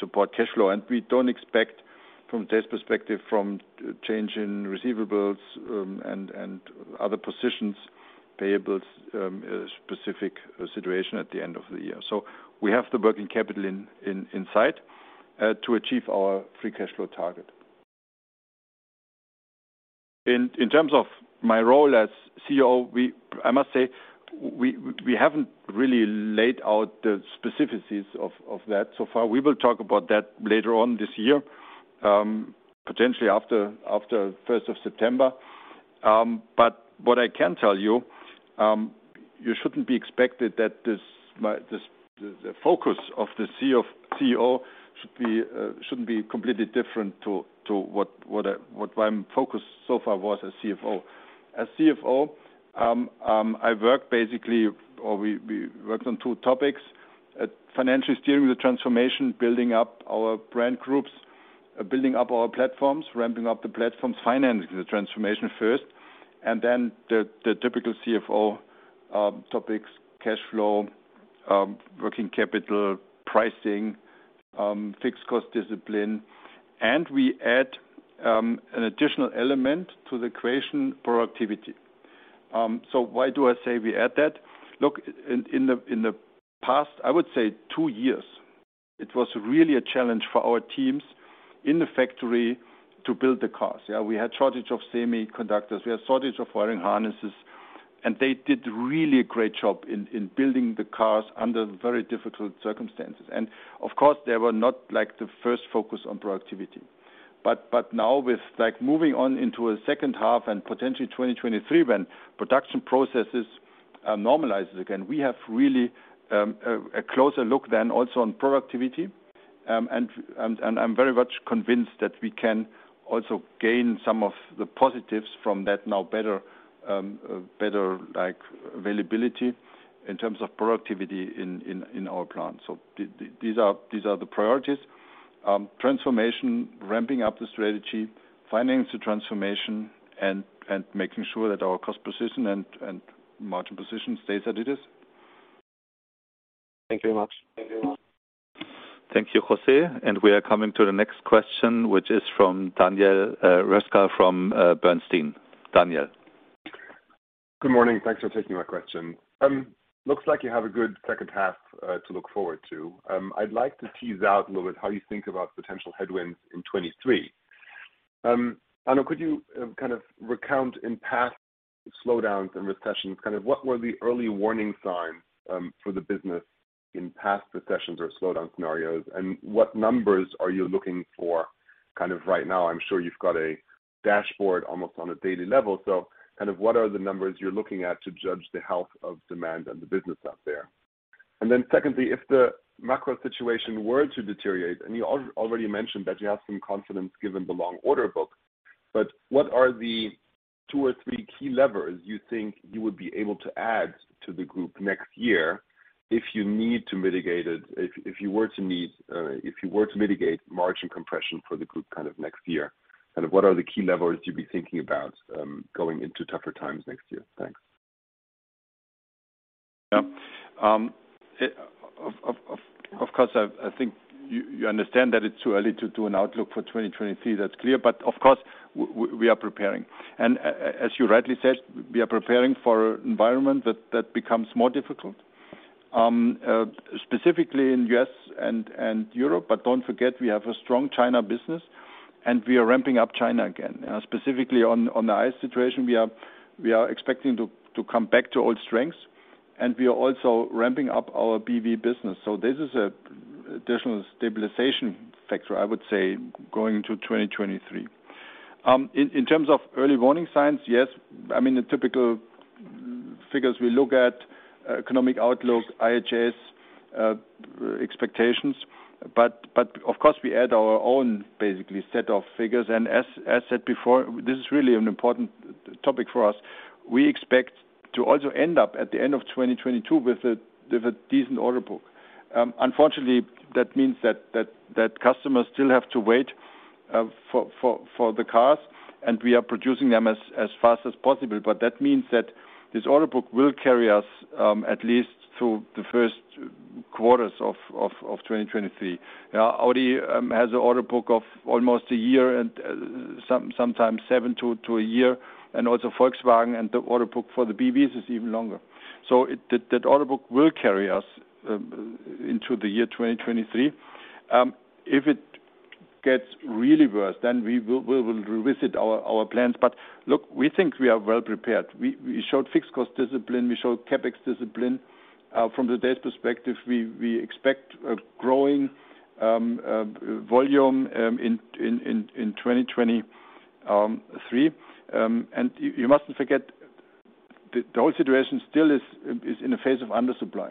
support cash flow. We don't expect from this perspective, from change in receivables, and other positions, payables, specific situation at the end of the year. We have the working capital in sight to achieve our free cash flow target. In terms of my role as COO, I must say, we haven't really laid out the specificities of that so far. We will talk about that later on this year, potentially after first of September. What I can tell you shouldn't expect that this, the focus of the COO should be completely different to what my focus so far was as CFO. As CFO, we worked on two topics. Financially steering the transformation, building up our brand groups, building up our platforms, ramping up the platforms, financing the transformation first, and then the typical CFO topics, cash flow, working capital, pricing, fixed-cost discipline. We add an additional element to the creation productivity. Why do I say we add that? Look, in the past 2 years, it was really a challenge for our teams in the factory to build the cars. Yeah, we had shortage of semiconductors, we had shortage of wiring harnesses, and they did really a great job in building the cars under very difficult circumstances. Of course, they were not like the first focus on productivity. Now with like moving on into a second half and potentially 2023 when production processes normalizes again, we have really a closer look than also on productivity. I'm very much convinced that we can also gain some of the positives from that now better like availability in terms of productivity in our plant. These are the priorities. Transformation, ramping up the strategy, financing the transformation and making sure that our cost position and margin position stays as it is. Thank you very much. Thank you, José. We are coming to the next question, which is from Daniel Roeska from Bernstein. Daniel. Good morning. Thanks for taking my question. Looks like you have a good second half to look forward to. I'd like to tease out a little bit how you think about potential headwinds in 2023. Arno, could you kind of recount in past slowdowns and recessions kind of what were the early warning signs for the business in past recessions or slowdown scenarios? What numbers are you looking for kind of right now? I'm sure you've got a dashboard almost on a daily level. What are the numbers you're looking at to judge the health of demand and the business out there? Secondly, if the macro situation were to deteriorate, and you already mentioned that you have some confidence given the long order book, but what are the two or three key levers you think you would be able to add to the group next year if you need to mitigate it? If you were to mitigate margin compression for the group kind of next year, kind of what are the key levers you'd be thinking about going into tougher times next year? Thanks. Of course, I think you understand that it's too early to do an outlook for 2023. That's clear. We are preparing. As you rightly said, we are preparing for environment that becomes more difficult, specifically in U.S. and Europe. Don't forget we have a strong China business, and we are ramping up China again. Specifically on the ICE situation, we are expecting to come back to old strengths, and we are also ramping up our BEV business. This is an additional stabilization factor, I would say, going into 2023. In terms of early warning signs, yes, I mean, the typical figures we look at, economic outlook, IHS expectations, but of course we add our own basically set of figures. As said before, this is really an important topic for us. We expect to also end up at the end of 2022 with a decent order book. Unfortunately, that means that customers still have to wait for the cars, and we are producing them as fast as possible. That means that this order book will carry us at least through the first quarters of 2023. Audi has an order book of almost a year and sometimes seven to a year, and also Volkswagen. The order book for the BEVs is even longer. That order book will carry us into the year 2023. If it gets really worse, then we will revisit our plans. Look, we think we are well prepared. We showed fixed cost discipline. We showed CapEx discipline. From the debt perspective, we expect a growing volume in 2023. You mustn't forget the whole situation still is in a phase of under supply.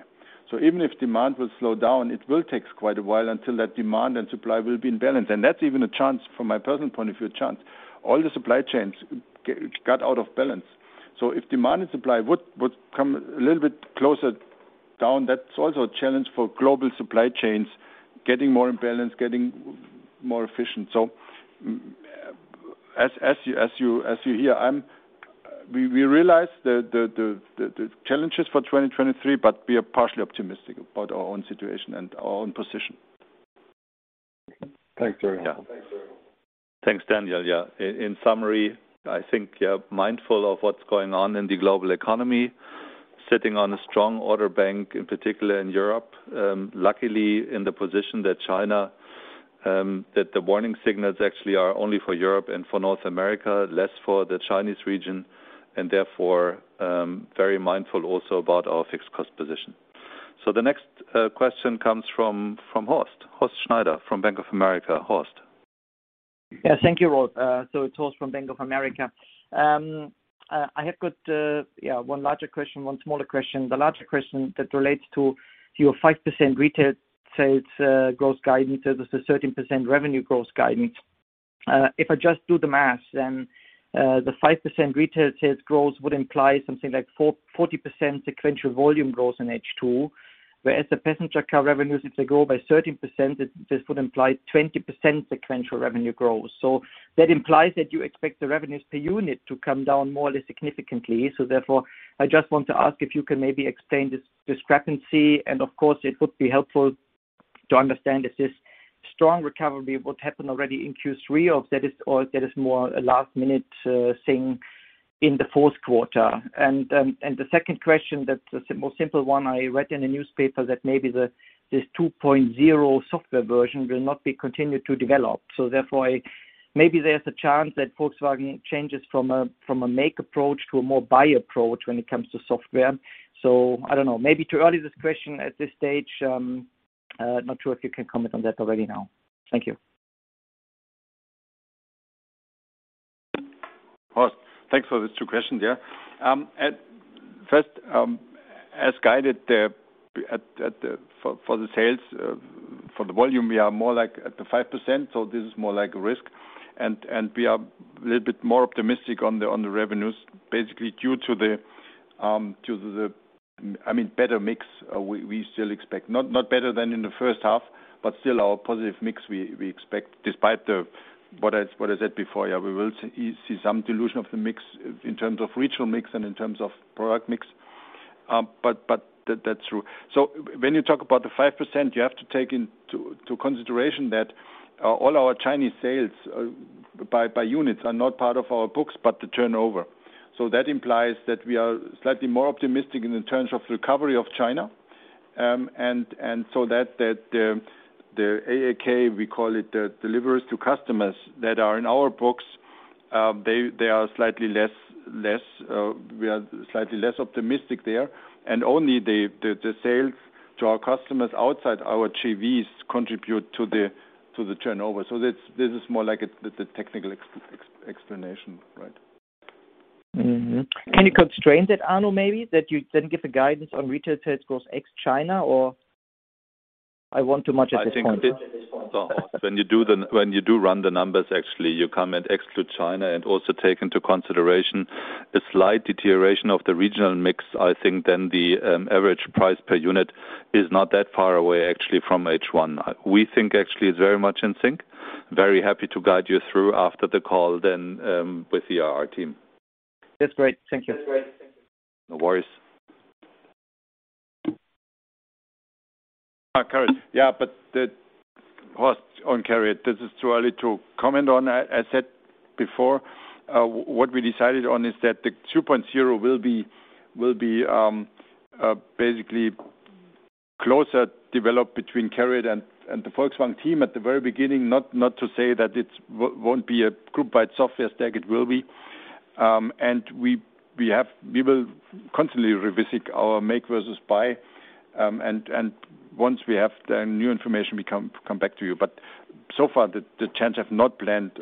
Even if demand will slow down, it will take quite a while until that demand and supply will be in balance. That's even a chance, from my personal point of view, a chance. All the supply chains got out of balance. If demand and supply would come a little bit closer down, that's also a challenge for global supply chains getting more in balance, getting more efficient. As you hear, I'm, We realize the challenges for 2023, but we are partially optimistic about our own situation and our own position. Thanks very much. Yeah. Thanks, Daniel. Yeah. In summary, I think you are mindful of what's going on in the global economy, sitting on a strong order bank, in particular in Europe. Luckily in the position that the warning signals actually are only for Europe and for North America, less for the Chinese region and therefore, very mindful also about our fixed cost position. The next question comes from Horst Schneider from Bank of America. Horst. Thank you, Horst Schneider. It's Horst Schneider from Bank of America. I have got one larger question, one smaller question. The larger question that relates to your 5% retail sales growth guidance and a 13% revenue growth guidance. If I just do the math, the 5% retail sales growth would imply something like 40% sequential volume growth in H2, whereas the passenger car revenues, if they grow by 13%, this would imply 20% sequential revenue growth. That implies that you expect the revenues per unit to come down more or less significantly. Therefore, I just want to ask if you can maybe explain this discrepancy. Of course, it would be helpful to understand if this strong recovery would happen already in Q3 or if that is more a last minute thing in the fourth quarter. The second question that's a more simple one, I read in a newspaper that maybe this Software 2.0 software version will not be continued to develop. Therefore, maybe there's a chance that Volkswagen changes from a make approach to a more buy approach when it comes to software. I don't know, maybe too early this question at this stage. Not sure if you can comment on that already now. Thank you. Horst, thanks for the two questions, yeah. At first, as guided for the sales volume, we are more like at the 5%, so this is more like a risk. We are a little bit more optimistic on the revenues basically due to the, I mean, better mix, we still expect. Not better than in the first half, but still our positive mix we expect despite what I said before. Yeah, we will see some dilution of the mix in terms of regional mix and in terms of product mix. But that's true. When you talk about the 5%, you have to take into consideration that all our Chinese sales by units are not part of our books, but the turnover. That implies that we are slightly more optimistic in the terms of recovery of China. That the AAK, we call it, delivers to customers that are in our books. They are slightly less optimistic there. We are slightly less optimistic there. Only the sales to our customers outside our JVs contribute to the turnover. This is more like a technical explanation, right? Can you constrain that, Arno, maybe? That you then give a guidance on retail sales growth ex-China or I want too much at this point. I think when you run the numbers, actually, you can exclude China and also take into consideration a slight deterioration of the regional mix. I think then the average price per unit is not that far away actually from H1. We think actually it's very much in sync. Very happy to guide you through after the call then with the RR team. That's great. Thank you. No worries. CARIAD. Yeah, but what's on CARIAD, this is too early to comment on. I said before, what we decided on is that the 2.0 will be basically closely developed between CARIAD and the Volkswagen team at the very beginning. Not to say that it won't be a group-wide software stack, it will be. We will constantly revisit our make versus buy. Once we have the new information, we come back to you. So far, the plans have not changed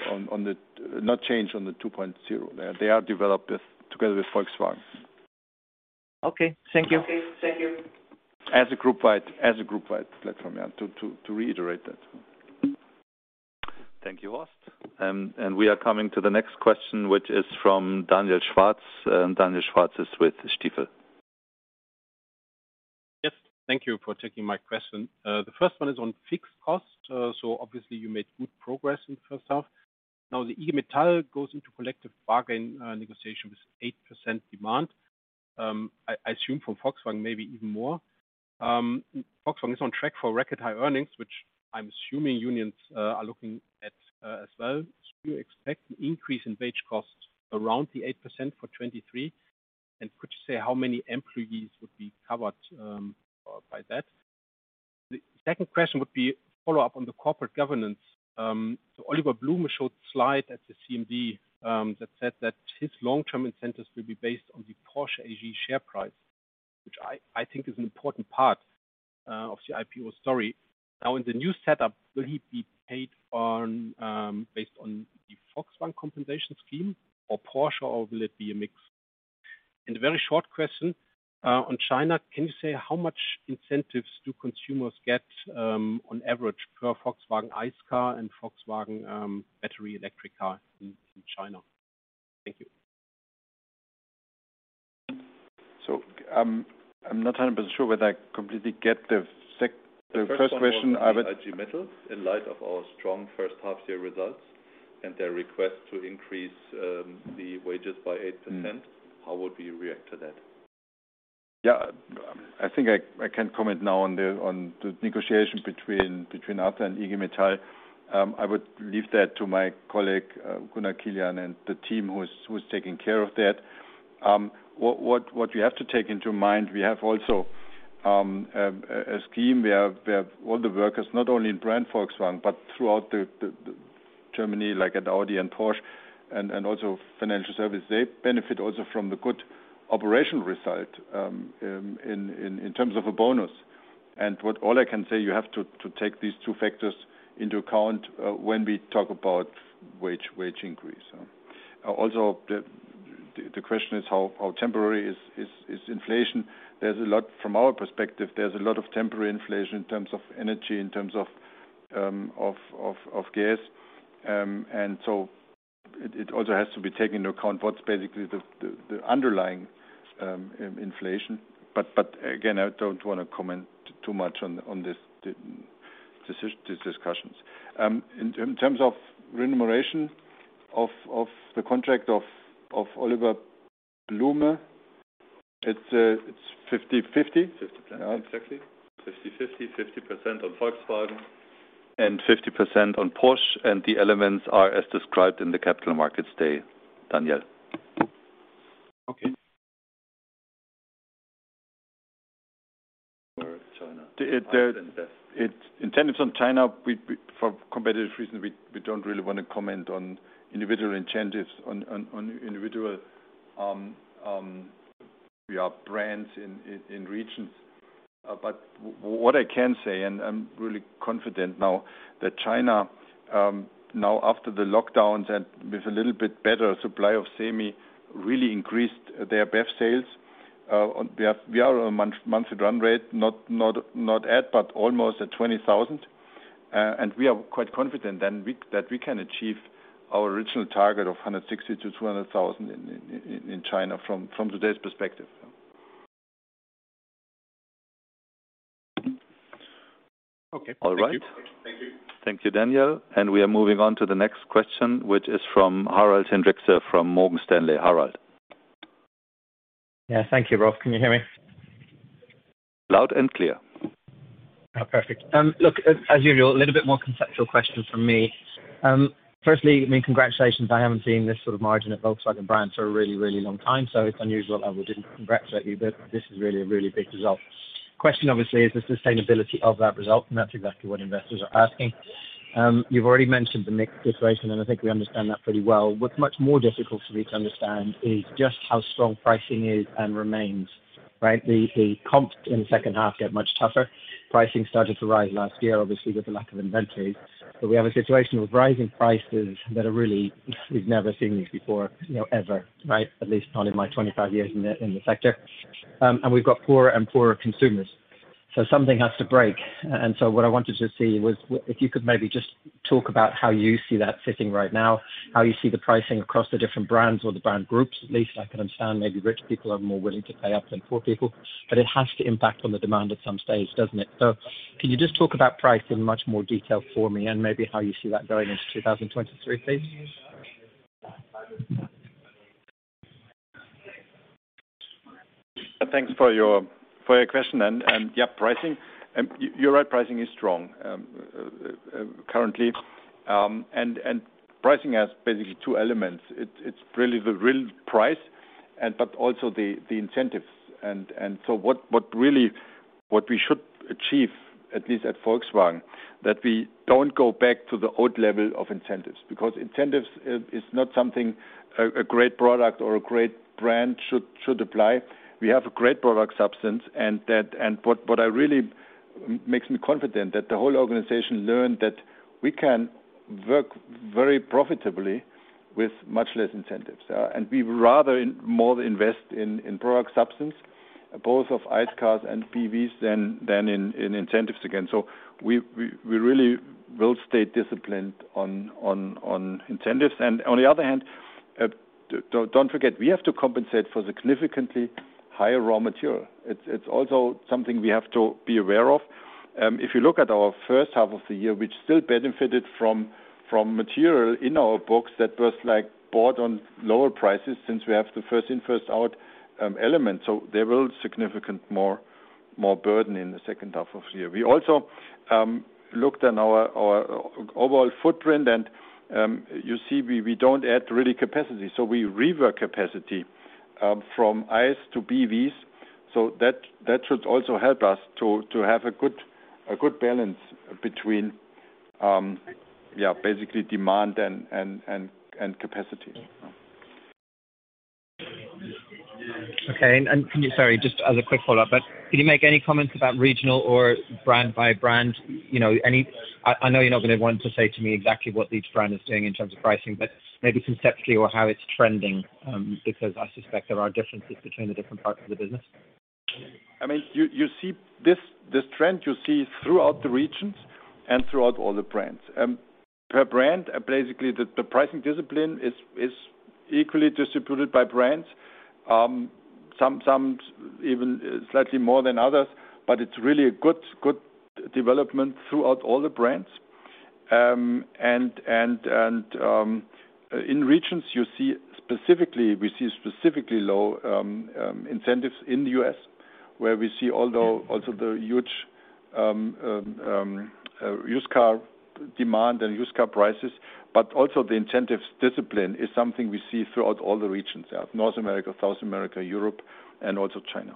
on the 2.0. They are developed together with Volkswagen. Okay, thank you. As a group-wide platform, yeah. To reiterate that. Thank you, Horst. We are coming to the next question, which is from Daniel Schwarz. Daniel Schwarz is with Stifel. Yes. Thank you for taking my question. The first one is on fixed cost. Obviously you made good progress in the first half. Now, the IG Metall goes into collective bargain, negotiation with 8% demand. I assume from Volkswagen, maybe even more. Volkswagen is on track for record high earnings, which I'm assuming unions are looking at, as well. Do you expect an increase in wage costs around the 8% for 2023? Could you say how many employees would be covered by that? The second question would be a follow-up on the corporate governance. Oliver Blume showed slide at the CMD that said that his long-term incentives will be based on the Porsche AG share price, which I think is an important part of the IPO story. Now in the new setup, will he be paid on, based on the Volkswagen compensation scheme or Porsche, or will it be a mix? A very short question, on China. Can you say how much incentives do consumers get, on average per Volkswagen ICE car and Volkswagen, battery electric car in China? Thank you. I'm not 100% sure whether I completely get the sec- The first question was. The first question. IG Metall in light of our strong first half year results and their request to increase the wages by 8%. Mm. How would we react to that? I think I can comment now on the negotiation between Arbeitgeber and IG Metall. I would leave that to my colleague Gunnar Kilian and the team who's taking care of that. What you have to bear in mind, we have also a scheme. We have all the workers, not only in Brand Volkswagen, but throughout Germany, like at Audi and Porsche and also financial service. They benefit also from the good operational result in terms of a bonus. All I can say, you have to take these two factors into account when we talk about wage increase. The question is how temporary inflation is. There's a lot, from our perspective, there's a lot of temporary inflation in terms of energy, in terms of gas. It also has to be taken into account what's basically the underlying inflation. Again, I don't wanna comment too much on these discussions. In terms of remuneration of the contract of Oliver Blume, it's 50-50. 50. Exactly. 50-50. 50% on Volkswagen. 50% on Porsche. The elements are as described in the Capital Markets Day, Daniel. Okay. China. It's incentives in China. For competitive reasons, we don't really wanna comment on individual incentives on individual brands in regions. What I can say, and I'm really confident now that China, now after the lockdowns and with a little bit better supply of semi, really increased their BEV sales. We are on a monthly run rate, not at but almost at 20,000. We are quite confident that we can achieve our original target of 160,000-200,000 in China from today's perspective. Okay. Thank you. All right. Thank you. Thank you, Daniel. We are moving on to the next question, which is from Harald Hendrikse from Morgan Stanley. Harold. Yeah. Thank you, Rolf. Can you hear me? Loud and clear. Oh, perfect. Look, as usual, a little bit more conceptual question from me. Firstly, I mean, congratulations. I haven't seen this sort of margin at Volkswagen brand for a really long time, so it's unusual. I wouldn't congratulate you, but this is really a big result. Question obviously is the sustainability of that result, and that's exactly what investors are asking. You've already mentioned the mix situation, and I think we understand that pretty well. What's much more difficult for me to understand is just how strong pricing is and remains, right? The comps in the second half get much tougher. Pricing started to rise last year, obviously, with the lack of inventory. We have a situation with rising prices that are really. We've never seen this before, you know, ever, right? At least not in my 25 years in the sector. We've got poorer and poorer consumers. Something has to break. What I wanted to see was if you could maybe just talk about how you see that sitting right now, how you see the pricing across the different brands or the brand groups. At least I can understand maybe rich people are more willing to pay up than poor people. It has to impact on the demand at some stage, doesn't it? Can you just talk about price in much more detail for me and maybe how you see that going into 2023, please? Thanks for your question. Yeah, pricing. You're right, pricing is strong currently. Pricing has basically two elements. It's really the real price but also the incentives. What we should achieve, at least at Volkswagen, that we don't go back to the old level of incentives, because incentives is not something a great product or a great brand should apply. We have a great product substance. What really makes me confident that the whole organization learned that we can work very profitably with much less incentives. We rather invest in more product substance, both of ICE cars and BEVs than in incentives again. We really will stay disciplined on incentives. Don't forget, we have to compensate for significantly higher raw material. It's also something we have to be aware of. If you look at our first half of the year, which still benefited from material in our books that was like bought on lower prices since we have the first in, first out element. There will significantly more burden in the second half of the year. We also looked at our overall footprint and you see, we don't add really capacity, so we reallocate capacity from ICE to BEVs. That should also help us to have a good balance between, yeah, basically demand and capacity. Okay. Sorry, just as a quick follow-up, but can you make any comments about regional or brand by brand? You know, I know you're not gonna want to say to me exactly what each brand is doing in terms of pricing, but maybe conceptually or how it's trending, because I suspect there are differences between the different parts of the business. I mean, you see this trend throughout the regions and throughout all the brands. Per brand, basically the pricing discipline is equally distributed by brands. Some even slightly more than others, but it's really a good development throughout all the brands. In regions, we see specifically low incentives in the U.S. where we see although also the huge used car demand and used car prices. The incentives discipline is something we see throughout all the regions. Yeah, North America, South America, Europe, and also China.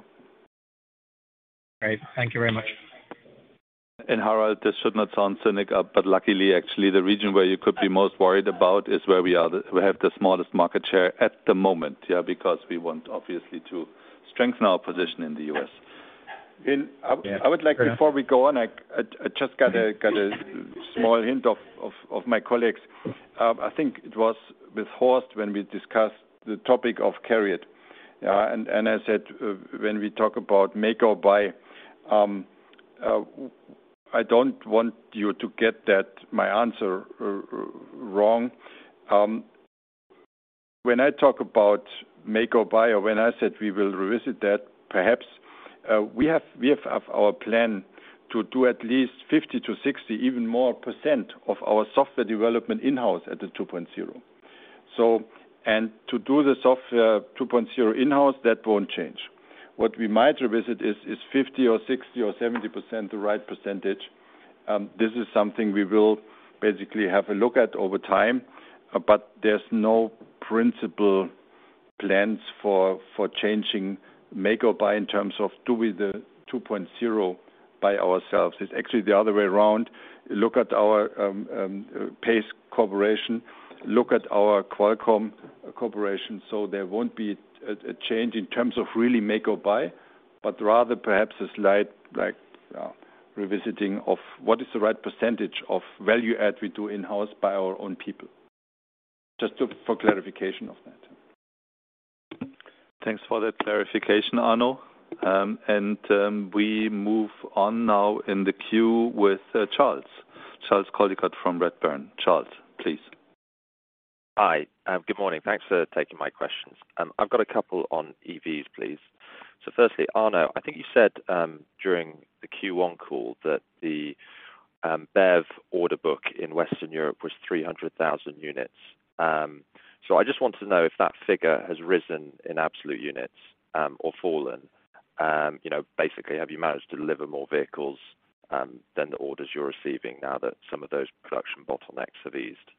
Great. Thank you very much. Harald, this should not sound cynical, but luckily actually the region where you could be most worried about is where we have the smallest market share at the moment, yeah, because we want obviously to strengthen our position in the U.S. Yeah. Fair enough. I would like, before we go on, I just got a small hint from my colleagues. I think it was with Horst when we discussed the topic of CARIAD. I said, when we talk about make or buy, I don't want you to get that my answer wrong. When I talk about make or buy, or when I said we will revisit that, perhaps, we have our plan to do at least 50%-60%, even more percent of our software development in-house at the 2.0. To do the Software 2.0 in-house, that won't change. What we might revisit is 50%, 60% or 70% the right percentage. This is something we will basically have a look at over time, but there's no principal plans for changing make or buy in terms of do we do the 2.0 by ourselves. It's actually the other way around. Look at our PACE cooperation, look at our Qualcomm cooperation, so there won't be a change in terms of really make or buy, but rather perhaps a slight like revisiting of what is the right percentage of value add we do in-house by our own people. Just for clarification of that. Thanks for that clarification, Arno. We move on now in the queue with Charles. Charles Coldicott from Redburn. Charles, please. Hi. Good morning. Thanks for taking my questions. I've got a couple on EVs, please. Firstly, Arno, I think you said during the Q1 call that the BEV order book in Western Europe was 300,000 units. I just want to know if that figure has risen in absolute units, or fallen. You know, basically, have you managed to deliver more vehicles than the orders you're receiving now that some of those production bottlenecks have eased?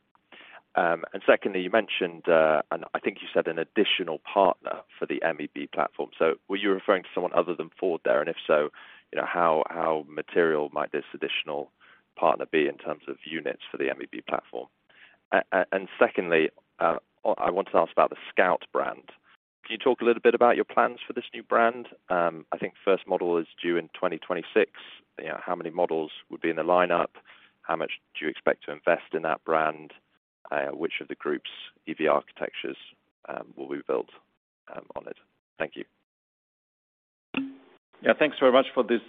And secondly, you mentioned, and I think you said an additional partner for the MEB platform. Were you referring to someone other than Ford there? And if so, you know, how material might this additional partner be in terms of units for the MEB platform? And secondly, I want to ask about the Scout brand. Can you talk a little bit about your plans for this new brand? I think first model is due in 2026. You know, how many models would be in the lineup? How much do you expect to invest in that brand? Which of the Group's EV architectures will be built on it? Thank you. Yeah. Thanks very much for this,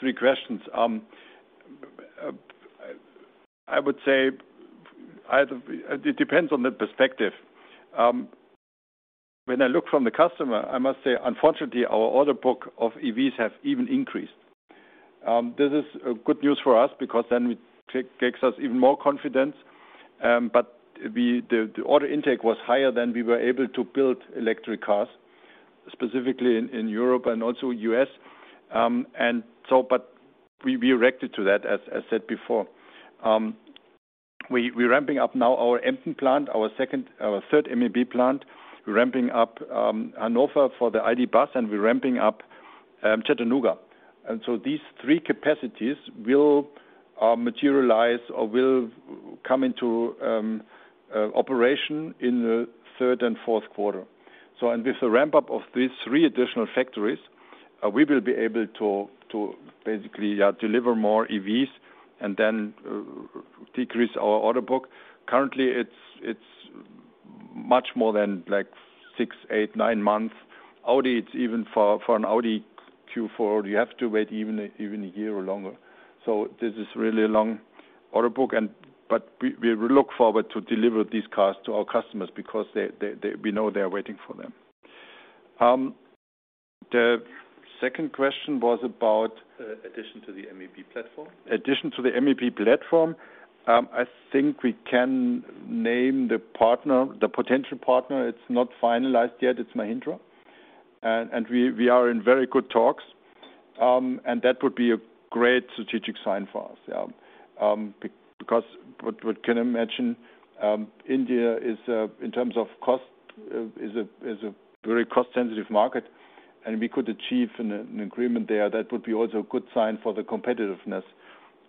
three questions. I would say it depends on the perspective. When I look from the customer, I must say unfortunately our order book of EVs have even increased. This is good news for us because then it gives us even more confidence. But the order intake was higher than we were able to build electric cars, specifically in Europe and also U.S. But we expected that as I said before. We're ramping up now our Emden plant, our second, our third MEB plant. We're ramping up Hannover for the ID. Buzz, and we're ramping up Chattanooga. These three capacities will materialize or will come into operation in the third and fourth quarter. With the ramp up of these three additional factories, we will be able to basically deliver more EVs and then decrease our order book. Currently, it's much more than like 6, 8, 9 months. Audi, it's even for an Audi Q4, you have to wait even a year or longer. This is really a long order book, but we look forward to deliver these cars to our customers because they, we know they're waiting for them. The second question was about- Addition to the MEB platform. In addition to the MEB platform. I think we can name the partner, the potential partner. It's not finalized yet. It's Mahindra. We are in very good talks. That would be a great strategic sign for us. Because what can I mention, India is in terms of cost a very cost sensitive market, and we could achieve an agreement there that would be also a good sign for the competitiveness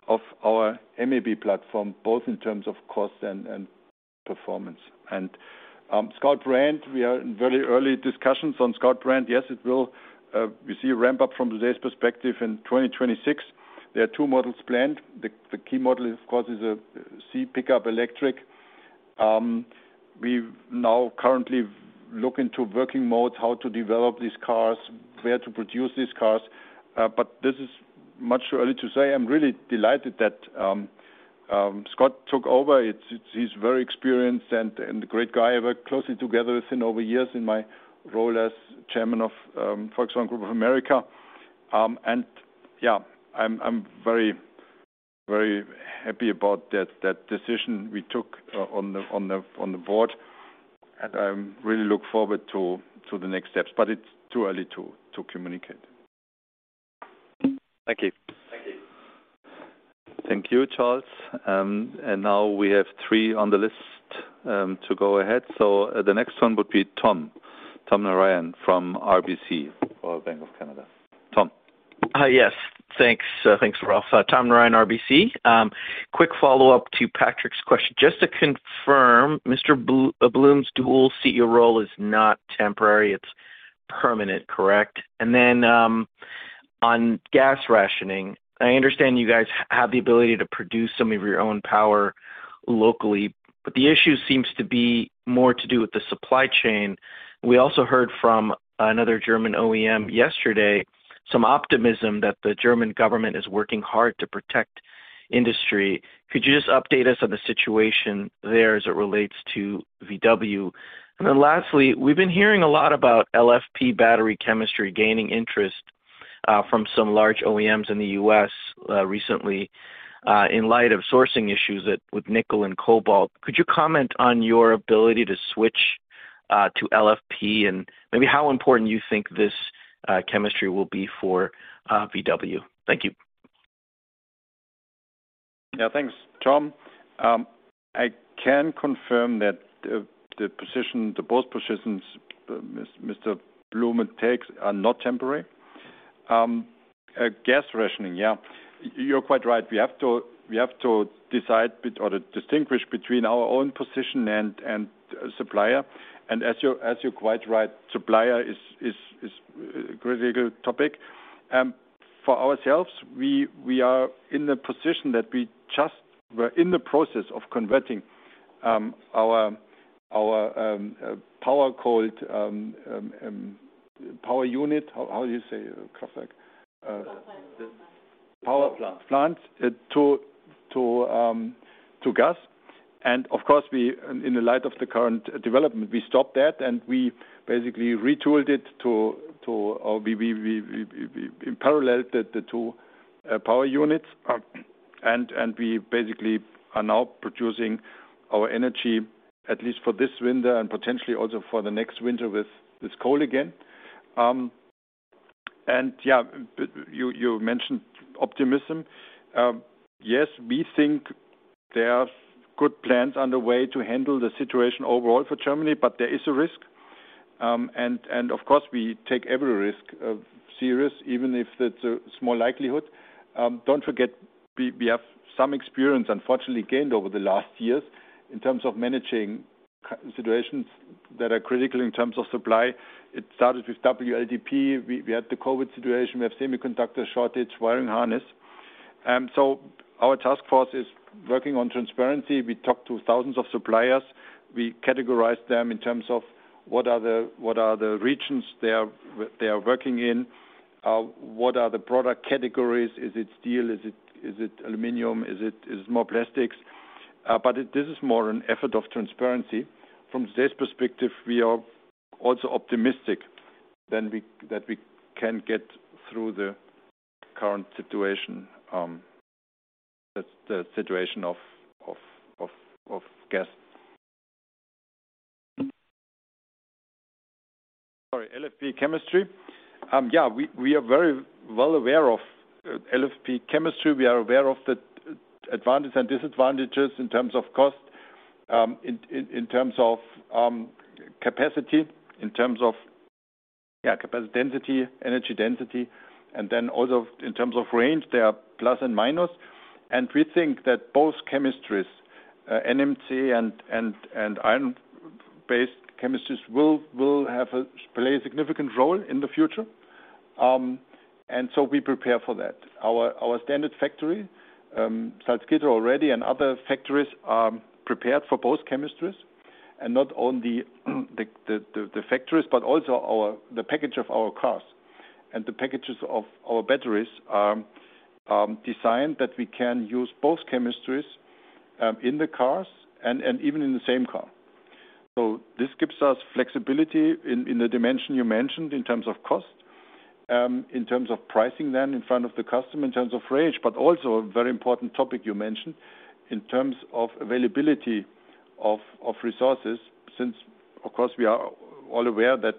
of our MEB platform, both in terms of cost and performance. Scout brand, we are in very early discussions on Scout brand. We see a ramp up from today's perspective in 2026. There are two models planned. The key model of course is a C pickup electric. We now currently look into working modes, how to develop these cars, where to produce these cars, but this is too early to say. I'm really delighted that Scott took over. He's very experienced and a great guy. I worked closely together with him over years in my role as chairman of Volkswagen Group of America. Yeah, I'm very happy about that decision we took on the board, and I really look forward to the next steps, but it's too early to communicate. Thank you. Thank you, Charles. Now we have three on the list to go ahead. The next one would be Tom. Tom Narayan from RBC Capital Markets. Tom. Hi. Yes. Thanks. Thanks, Rolf. Tom Narayan, RBC. Quick follow-up to Patrick's question. Just to confirm, Mr. Blume's dual CEO role is not temporary, it's permanent, correct? On gas rationing, I understand you guys have the ability to produce some of your own power locally, but the issue seems to be more to do with the supply chain. We also heard from another German OEM yesterday, some optimism that the German government is working hard to protect industry. Could you just update us on the situation there as it relates to VW? Lastly, we've been hearing a lot about LFP battery chemistry gaining interest from some large OEMs in the US recently in light of sourcing issues with nickel and cobalt. Could you comment on your ability to switch to LFP and maybe how important you think this chemistry will be for VW? Thank you. Yeah, thanks, Tom. I can confirm that the positions Mr. Blume takes are not temporary. Gas rationing. Yeah, you're quite right. We have to decide or distinguish between our own position and supplier. As you're quite right, supplier is critical topic. For ourselves, we are in the position that we just were in the process of converting our power cord, power unit. How you say it? Kraftwerk. Power plant. Kraftwerk planned to gas. Of course, in the light of the current development, we stopped that, and we basically retooled it or we paralleled the two power units. We basically are now producing our energy, at least for this winter and potentially also for the next winter with coal again. Yeah, you mentioned optimism. Yes, we think there are good plans on the way to handle the situation overall for Germany, but there is a risk. Of course, we take every risk serious, even if it's a small likelihood. Don't forget, we have some experience unfortunately gained over the last years in terms of managing situations that are critical in terms of supply. It started with WLTP. We had the COVID-19 situation. We have semiconductor shortage, wiring harness. Our task force is working on transparency. We talk to thousands of suppliers. We categorize them in terms of what are the regions they are working in, what are the product categories. Is it steel? Is it aluminum? Is it more plastics? This is more an effort of transparency. From today's perspective, we are also optimistic that we can get through the current situation, the situation of gas. Sorry, LFP chemistry. We are very well aware of LFP chemistry. We are aware of the advantage and disadvantages in terms of cost, capacity, density, energy density, and then also in terms of range, there are plus and minus. We think that both chemistries, NMC and iron-based chemistries, will play a significant role in the future. We prepare for that. Our standard factory, Salzgitter already and other factories are prepared for both chemistries. Not only the factories, but also our package of our cars. The packages of our batteries are designed that we can use both chemistries in the cars and even in the same car. This gives us flexibility in the dimension you mentioned in terms of cost, in terms of pricing then in front of the customer, in terms of range, but also a very important topic you mentioned, in terms of availability of resources, since of course we are all aware that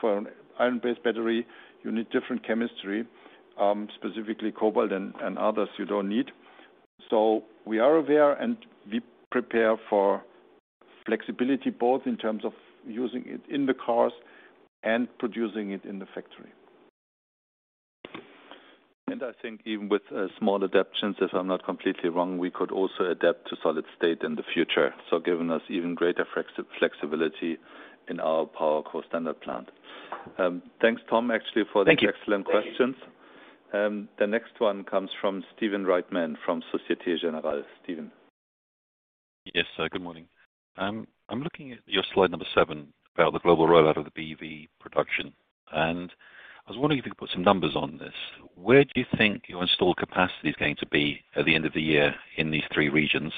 for an iron-based battery you need different chemistry, specifically cobalt and others you don't need. We are aware, and we prepare for flexibility both in terms of using it in the cars and producing it in the factory. I think even with small adaptations, if I'm not completely wrong, we could also adapt to solid state in the future, so giving us even greater flexibility in our PowerCo standard factory. Thanks, Tom, actually for the- Thank you. Excellent questions. The next one comes from Stephen Reitman from Société Générale. Stephen. Yes. Good morning. I'm looking at your slide number 7 about the global rollout of the BEV production, and I was wondering if you could put some numbers on this. Where do you think your installed capacity is going to be at the end of the year in these three regions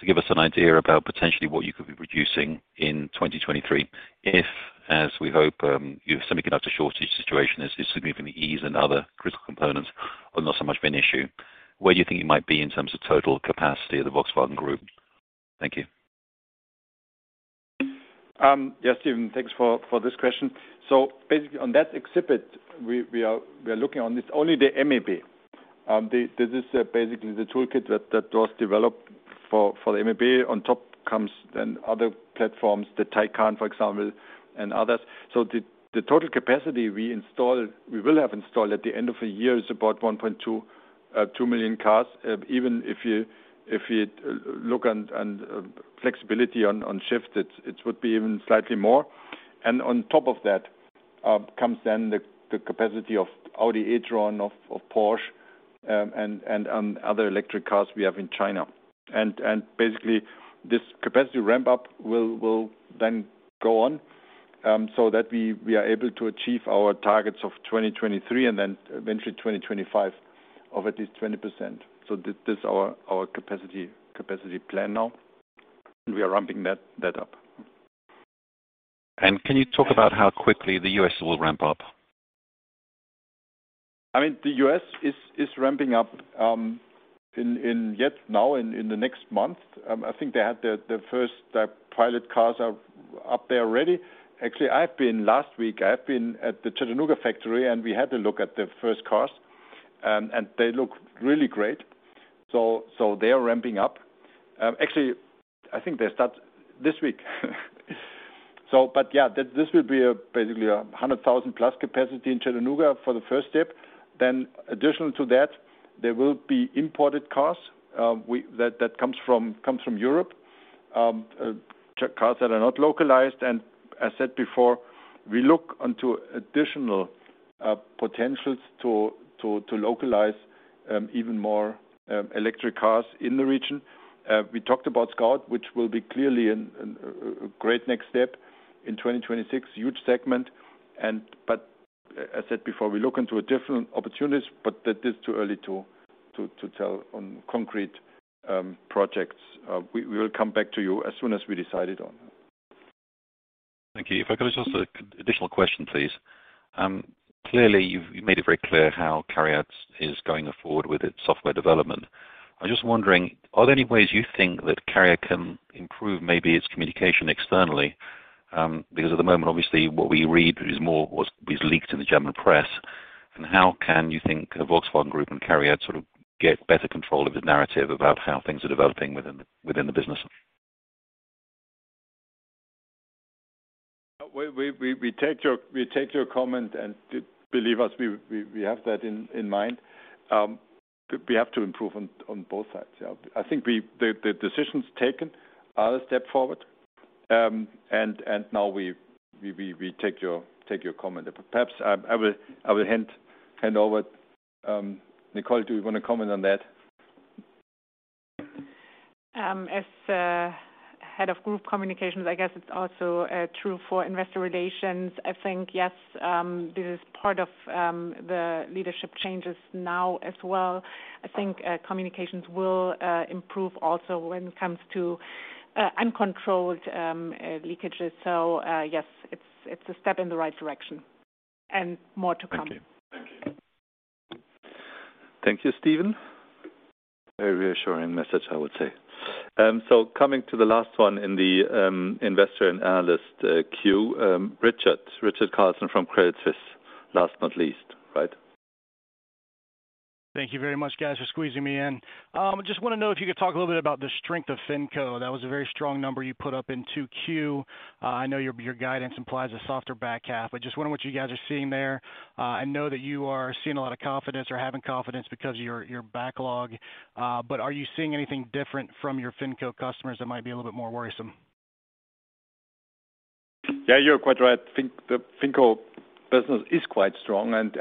to give us an idea about potentially what you could be producing in 2023, if, as we hope, your semiconductor shortage situation is significantly eased and other critical components are not so much of an issue. Where do you think it might be in terms of total capacity of the Volkswagen Group? Thank you. Yeah, Stephen, thanks for this question. Basically, on that exhibit, we are looking on this only the MEB. This is basically the toolkit that was developed for the MEB. On top comes then other platforms, the Taycan, for example, and others. The total capacity we will have installed at the end of the year is about 1.2-2 million cars. Even if you look on flexibility on shift, it would be even slightly more. On top of that, comes then the capacity of Audi e-tron, of Porsche, and other electric cars we have in China. Basically, this capacity ramp up will then go on so that we are able to achieve our targets of 2023 and then eventually 2025 of at least 20%. This is our capacity plan now, and we are ramping that up. Can you talk about how quickly the US will ramp up? I mean, the US is ramping up in the next month. I think they had the first pilot cars are up there already. Actually, I've been last week, I've been at the Chattanooga factory, and we had a look at the first cars, and they look really great. They are ramping up. Actually, I think they start this week. Yeah, this will be basically a 100,000-plus capacity in Chattanooga for the first step. Additional to that, there will be imported cars that comes from Europe. Cars that are not localized. As said before, we look into additional potentials to localize even more electric cars in the region. We talked about Scout, which will be clearly a great next step in 2026, huge segment. As said before, we look into a different opportunities, but that is too early to tell on concrete projects. We will come back to you as soon as we decided on. Thank you. If I could just ask an additional question, please. Clearly you made it very clear how CARIAD is going forward with its software development. I'm just wondering, are there any ways you think that CARIAD can improve maybe its communication externally? Because at the moment, obviously, what we read is more what's been leaked in the German press. How can you think a Volkswagen Group and CARIAD sort of get better control of the narrative about how things are developing within the business? We take your comment, and believe us, we have that in mind. We have to improve on both sides. Yeah. I think the decisions taken are a step forward. Now we take your comment. Perhaps, I will hand over. Nicole, do you wanna comment on that? As Head of Group Communications, I guess it's also true for Investor Relations. I think, yes, this is part of the leadership changes now as well. I think communications will improve also when it comes to uncontrolled leakages. Yes, it's a step in the right direction and more to come. Thank you. Thank you. Thank you, Stephen. Very reassuring message, I would say. Coming to the last one in the investor and analyst queue, Richard Carlson from Credit Suisse, last but not least, right? Thank you very much, guys, for squeezing me in. Just wanna know if you could talk a little bit about the strength of FinCo. That was a very strong number you put up in 2Q. I know your guidance implies a softer back half. I just wonder what you guys are seeing there. I know that you are seeing a lot of confidence or having confidence because of your backlog. Are you seeing anything different from your FinCo customers that might be a little bit more worrisome? Yeah, you're quite right. The FinCo business is quite strong, and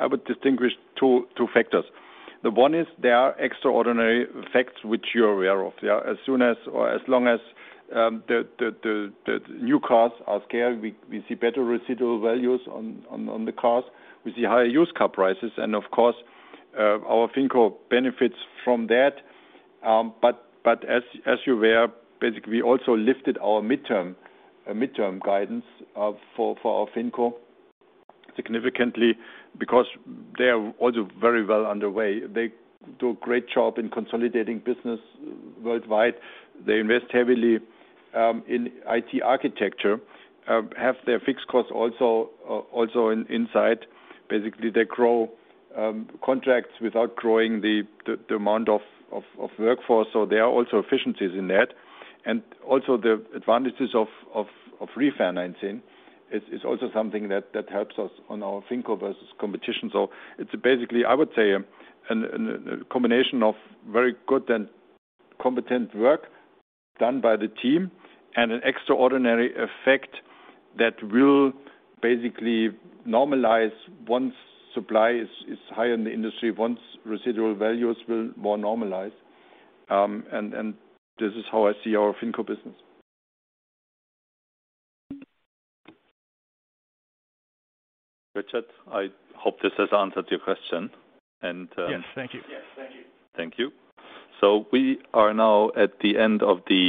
I would distinguish two factors. The one is there are extraordinary effects which you're aware of. As soon as or as long as the new cars are scarce, we see better residual values on the cars. We see higher used car prices and of course, our FinCo benefits from that. As you're aware, basically, we also lifted our midterm guidance for our FinCo significantly because they are also very well underway. They do a great job in consolidating business worldwide. They invest heavily in IT architecture, have their fixed costs also inside. Basically, they grow contracts without growing the amount of workforce. There are also efficiencies in that. Also the advantages of refinancing is also something that helps us on our FinCo versus competition. It's basically, I would say, a combination of very good and competent work done by the team and an extraordinary effect that will basically normalize once supply is high in the industry, once residual values will more normalize. This is how I see our FinCo business. Richard, I hope this has answered your question. Yes. Thank you. Thank you. We are now at the end of the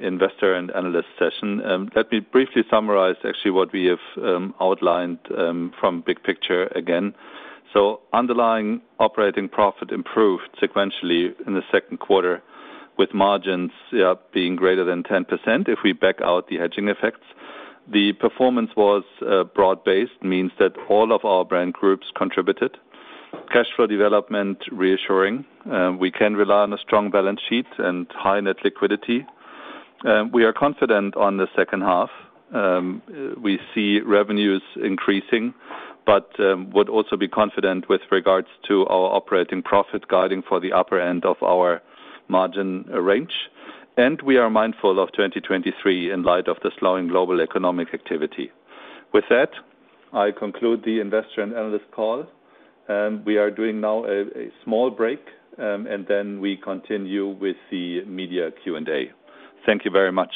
investor and analyst session. Let me briefly summarize actually what we have outlined from big picture again. Underlying operating profit improved sequentially in the second quarter with margins being greater than 10% if we back out the hedging effects. The performance was broad-based, means that all of our brand groups contributed. Cash flow development reassuring. We can rely on a strong balance sheet and high net liquidity. We are confident on the second half. We see revenues increasing, but would also be confident with regards to our operating profit guiding for the upper end of our margin range. We are mindful of 2023 in light of the slowing global economic activity. With that, I conclude the investor and analyst call. We are doing now a small break, and then we continue with the media Q&A. Thank you very much.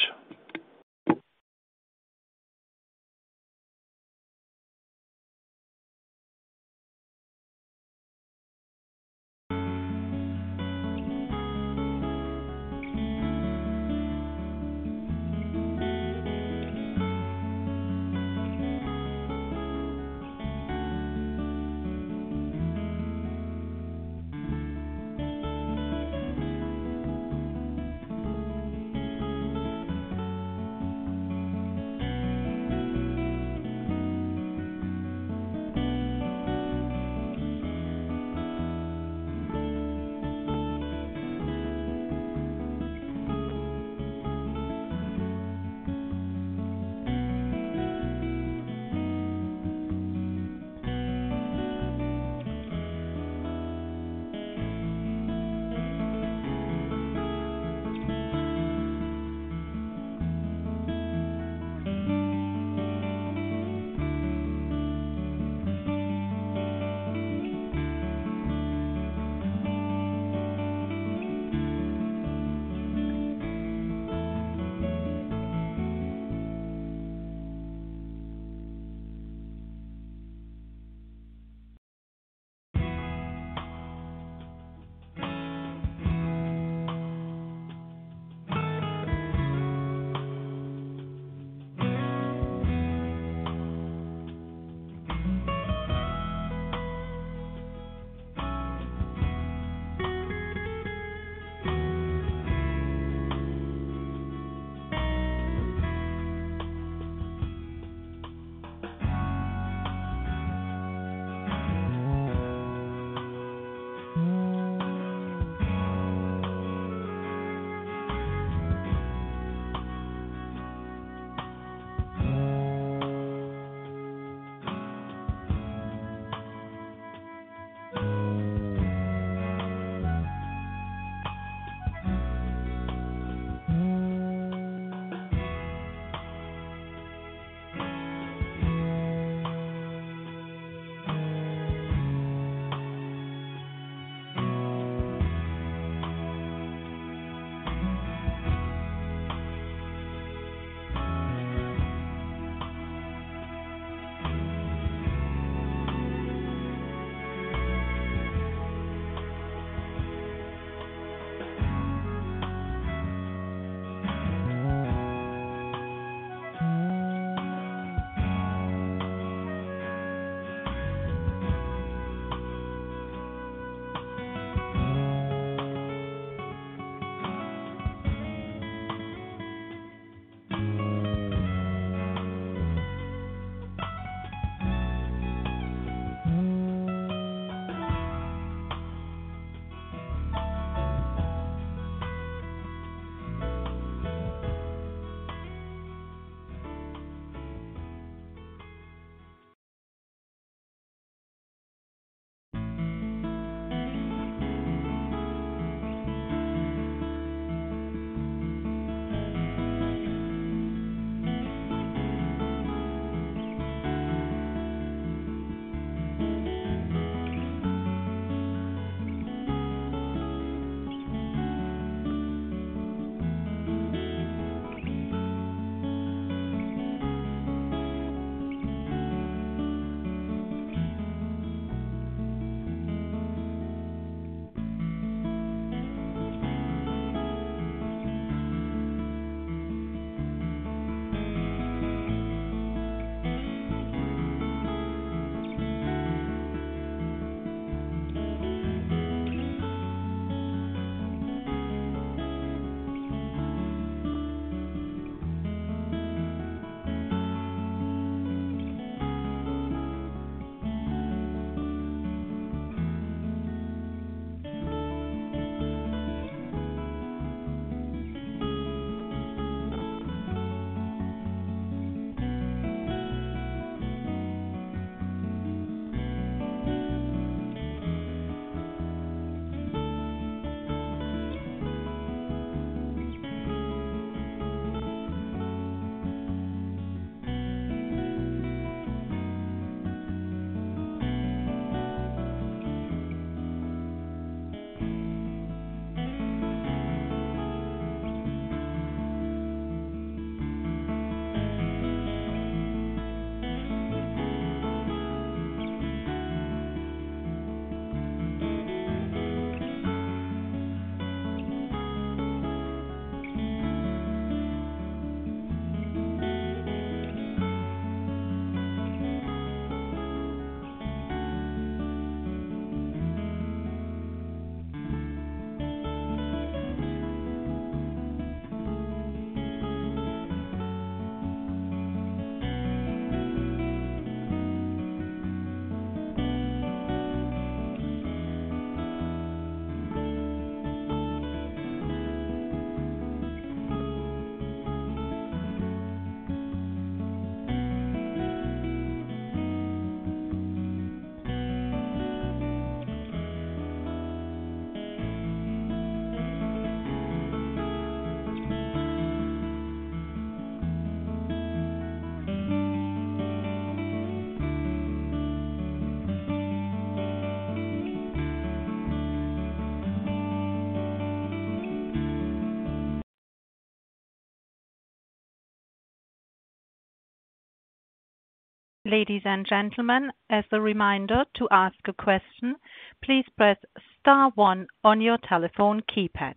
Ladies and gentlemen, as a reminder to ask a question, please press star one on your telephone keypad.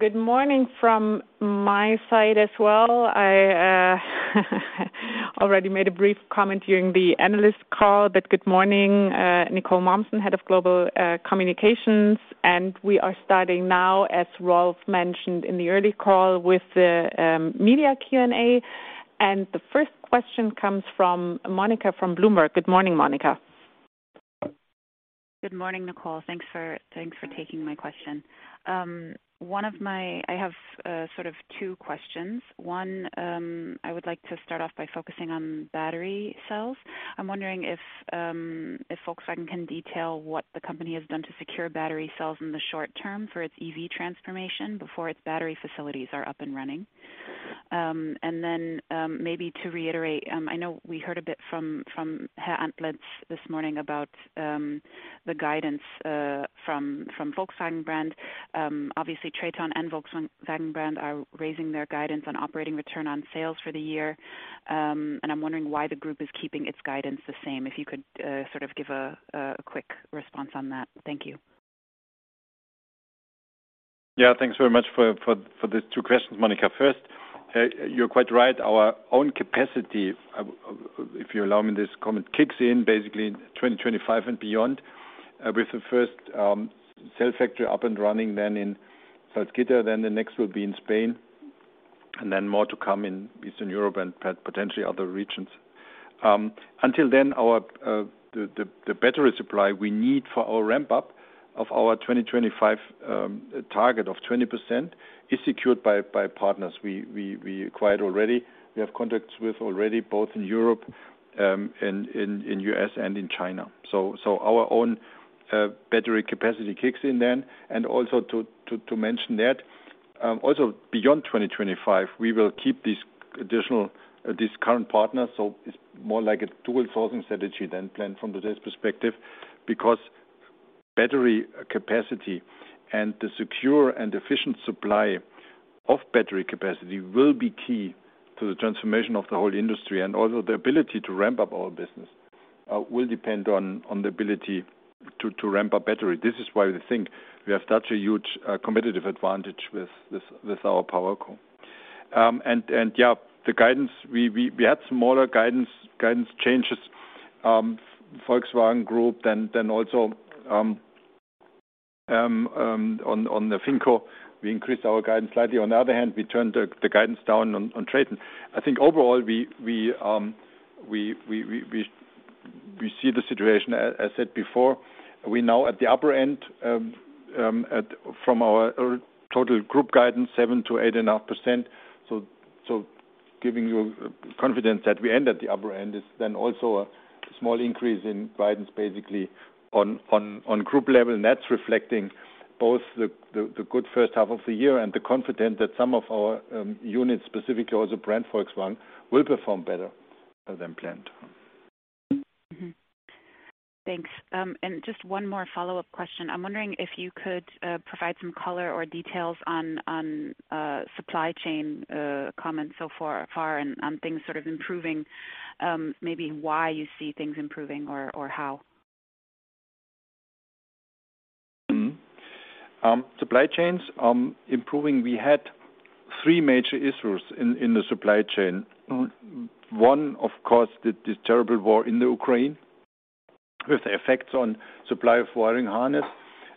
Good morning from my side as well. I already made a brief comment during the analyst call, but good morning. Nicole Mommsen, Head of Group Communications, and we are starting now, as Rolf mentioned in the early call, with the media Q&A. The first question comes from Monica from Bloomberg. Good morning, Monica. Good morning, Nicole. Thanks for taking my question. I have sort of two questions. One, I would like to start off by focusing on battery cells. I'm wondering if Volkswagen can detail what the company has done to secure battery cells in the short term for its EV transformation before its battery facilities are up and running. Then, maybe to reiterate, I know we heard a bit from Arno Antlitz this morning about the guidance from Volkswagen brand. Obviously, Traton and Volkswagen brand are raising their guidance on operating return on sales for the year. I'm wondering why the group is keeping its guidance the same, if you could sort of give a quick response on that? Thank you. Yeah. Thanks very much for these two questions, Monica. First, you're quite right. Our own capacity, if you allow me this comment, kicks in basically in 2025 and beyond, with the first cell factory up and running then in Salzgitter, then the next will be in Spain, and then more to come in Eastern Europe and potentially other regions. Until then, the battery supply we need for our ramp-up of our 2025 target of 20% is secured by partners we acquired already. We have contracts with already both in Europe, in U.S. and in China. Our own battery capacity kicks in then. Also, to mention that, beyond 2025, we will keep these additional current partners. It's more like a dual sourcing strategy than planned from today's perspective, because battery capacity and the secure and efficient supply of battery capacity will be key to the transformation of the whole industry. Also the ability to ramp up our business will depend on the ability to ramp up battery. This is why we think we have such a huge competitive advantage with this, with our PowerCo. We had smaller guidance changes on Volkswagen Group, then also on the FINCo, we increased our guidance slightly. On the other hand, we turned the guidance down on Traton. I think overall we see the situation. As I said before, we're now at the upper end of our total group guidance 7%-8.5%. Giving you confidence that we end at the upper end is then also a small increase in guidance basically on group level. That's reflecting both the good first half of the year and the confidence that some of our units, specifically also brand Volkswagen, will perform better than planned. Thanks. Just one more follow-up question. I'm wondering if you could provide some color or details on supply chain comments so far and on things sort of improving, maybe why you see things improving or how? Supply chains improving. We had three major issues in the supply chain. One, of course, this terrible war in Ukraine with the effects on supply of wiring harness.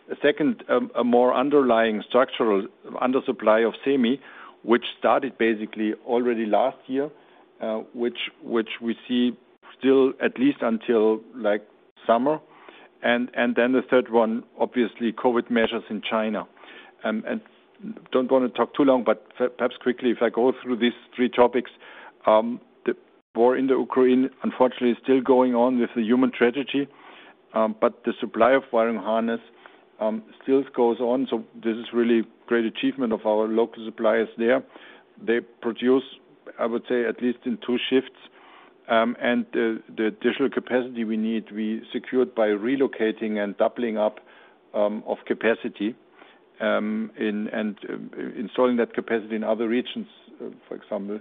The second, a more underlying structural undersupply of semi, which started basically already last year, which we see still at least until like summer. The third one, obviously COVID measures in China. Don't wanna talk too long, but perhaps quickly, if I go through these three topics, the war in Ukraine unfortunately is still going on with the human tragedy. The supply of wiring harness still goes on. This is really great achievement of our local suppliers there. They produce, I would say, at least in two shifts. The additional capacity we need we secured by relocating and doubling up of capacity and installing that capacity in other regions, for example,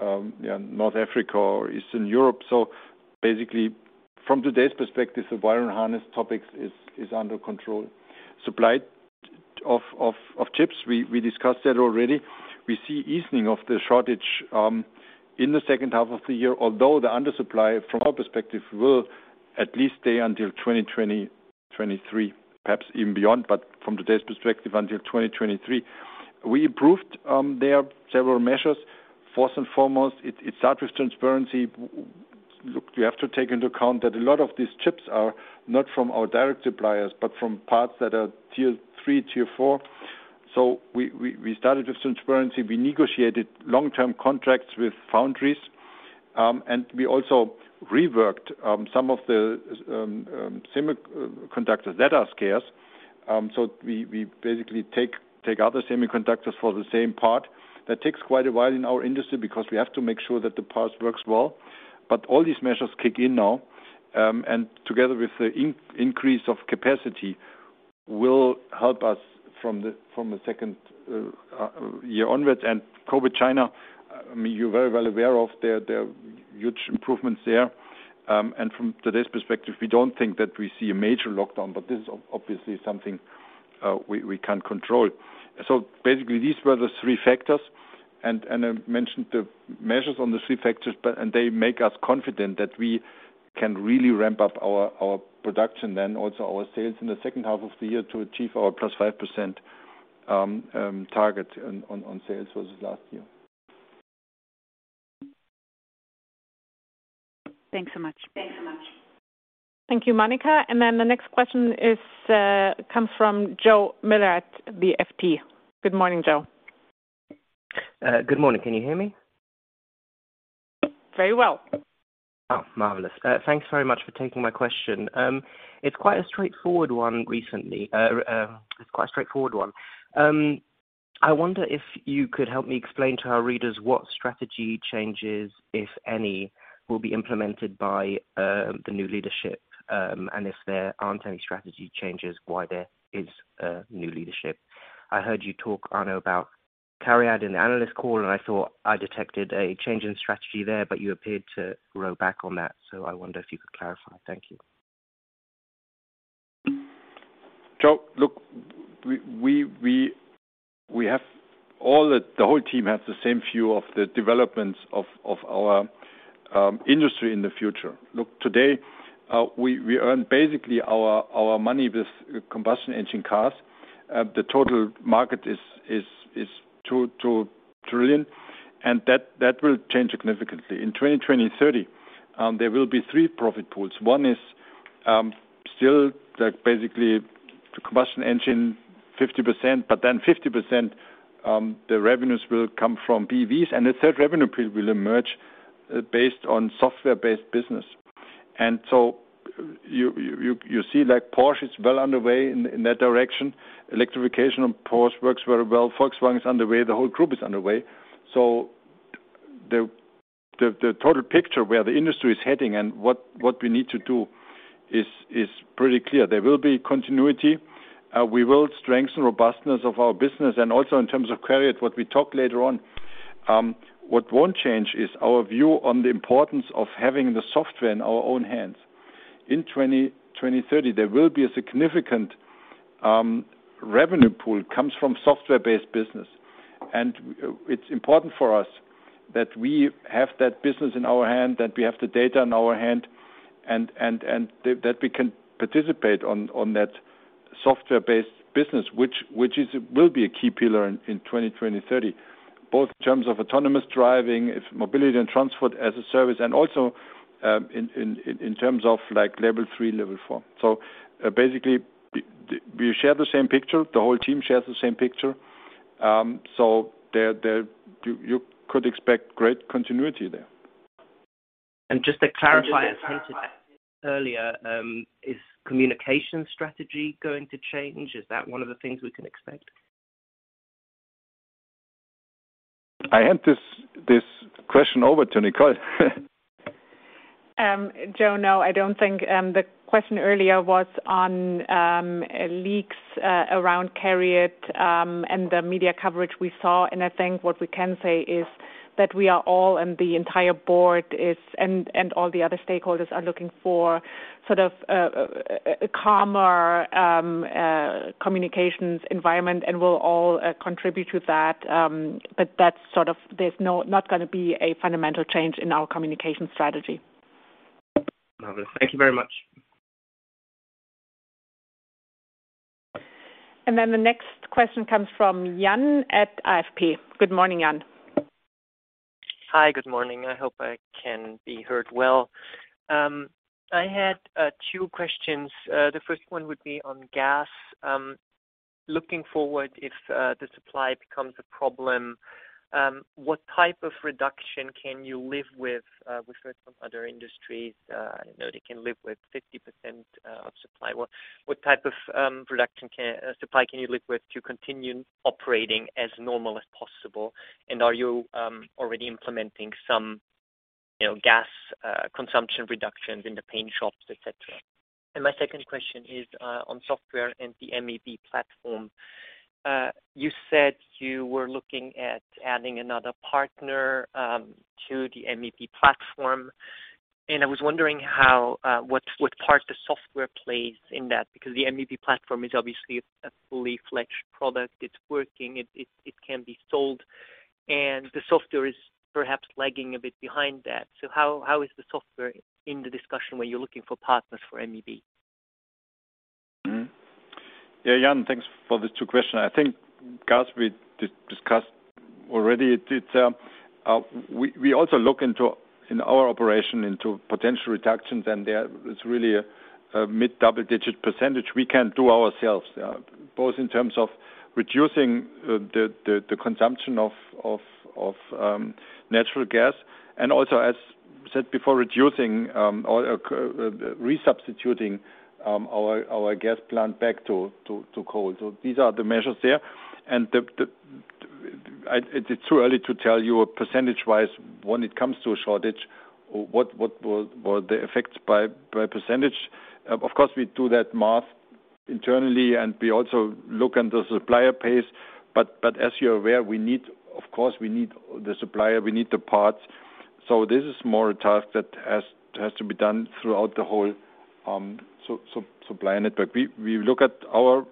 North Africa or Eastern Europe. Basically, from today's perspective, the wiring harness topic is under control. Supply of chips, we discussed that already. We see easing of the shortage in the second half of the year. Although the undersupply from our perspective will at least stay until 2023, perhaps even beyond. From today's perspective, until 2023. We improved. There are several measures. First and foremost, it starts with transparency. Look, we have to take into account that a lot of these chips are not from our direct suppliers, but from parts that are Tier 3, Tier 4. We started with transparency. We negotiated long-term contracts with foundries. We also reworked some of the semiconductors that are scarce. We basically take other semiconductors for the same part. That takes quite a while in our industry because we have to make sure that the part works well. All these measures kick in now, and together with the increase of capacity, will help us from the second year onwards. COVID in China, I mean, you're very well aware of their huge improvements there. From today's perspective, we don't think that we see a major lockdown. This is obviously something we can't control. Basically, these were the three factors and I mentioned the measures on the three factors. They make us confident that we can really ramp up our production, then also our sales in the second half of the year to achieve our +5% target on sales versus last year. Thanks so much. Thank you, Monica. The next question is, comes from Joe Miller at the FT. Good morning, Joe. Good morning. Can you hear me? Very well. Oh, marvelous. Thanks very much for taking my question. It's quite a straightforward one. I wonder if you could help me explain to our readers what strategy changes, if any, will be implemented by the new leadership, and if there aren't any strategy changes, why there is a new leadership. I heard you talk, Arno, about CARIAD in the analyst call, and I thought I detected a change in strategy there, but you appeared to row back on that. I wonder if you could clarify. Thank you. Joe, look, we have all the-- the whole team has the same view of the developments of our industry in the future. Look, today, we earn basically our money with combustion engine cars. The total market is 2 trillion, and that will change significantly. In 2020 and 2030, there will be three profit pools. One is still, like, basically the combustion engine, 50%, but then 50%, the revenues will come from BEVs. The third revenue pool will emerge based on software-based business. You see, like, Porsche is well underway in that direction. Electrification of Porsche works very well. Volkswagen is underway. The whole group is underway. The total picture where the industry is heading and what we need to do is pretty clear. There will be continuity. We will strengthen robustness of our business and also in terms of CARIAD, what we talk later on. What won't change is our view on the importance of having the software in our own hands. In 2030, there will be a significant revenue pool comes from software-based business. It's important for us that we have that business in our hand, that we have the data in our hand, and that we can participate on that software-based business, which will be a key pillar in 2030, both in terms of autonomous driving, in mobility and transport as a service, and also in terms of, like, level 3, level 4. We share the same picture. The whole team shares the same picture. You could expect great continuity there. Just to clarify, as hinted at earlier, is communication strategy going to change? Is that one of the things we can expect? I hand this question over to Nicole. Joe, no, I don't think the question earlier was on leaks around CARIAD, and the media coverage we saw. I think what we can say is that we are all, and the entire board is, and all the other stakeholders are looking for sort of a calmer communications environment, and we'll all contribute to that. But that's sort of. There's not gonna be a fundamental change in our communication strategy. Thank you very much. The next question comes from Jan at AFP. Good morning, Jan. Hi. Good morning. I hope I can be heard well. I had two questions. The first one would be on gas. Looking forward, if the supply becomes a problem, what type of reduction can you live with? We've heard from other industries, you know, they can live with 50% of supply. What type of reduction supply can you live with to continue operating as normal as possible? Are you already implementing some, you know, gas consumption reductions in the paint shops, et cetera? My second question is on software and the MEB platform. You said you were looking at adding another partner to the MEB platform, and I was wondering what part the software plays in that because the MEB platform is obviously a fully-fledged product. It's working. It can be sold, and the software is perhaps lagging a bit behind that. How is the software in the discussion when you're looking for partners for MEB? Yeah, Jan, thanks for the two questions. I think, as we discussed already. We also look into potential reductions in our operations, and there is really a mid-double-digit percentage we can do ourselves, both in terms of reducing the consumption of natural gas and also, as said before, reducing or resubstituting our gas plant back to coal. These are the measures there. It's too early to tell you percentage-wise when it comes to a shortage, what the effects by percentage. Of course, we do that math internally, and we also look at the supplier base. As you're aware, of course, we need the supplier, we need the parts. This is more a task that has to be done throughout the whole supply network. We look at our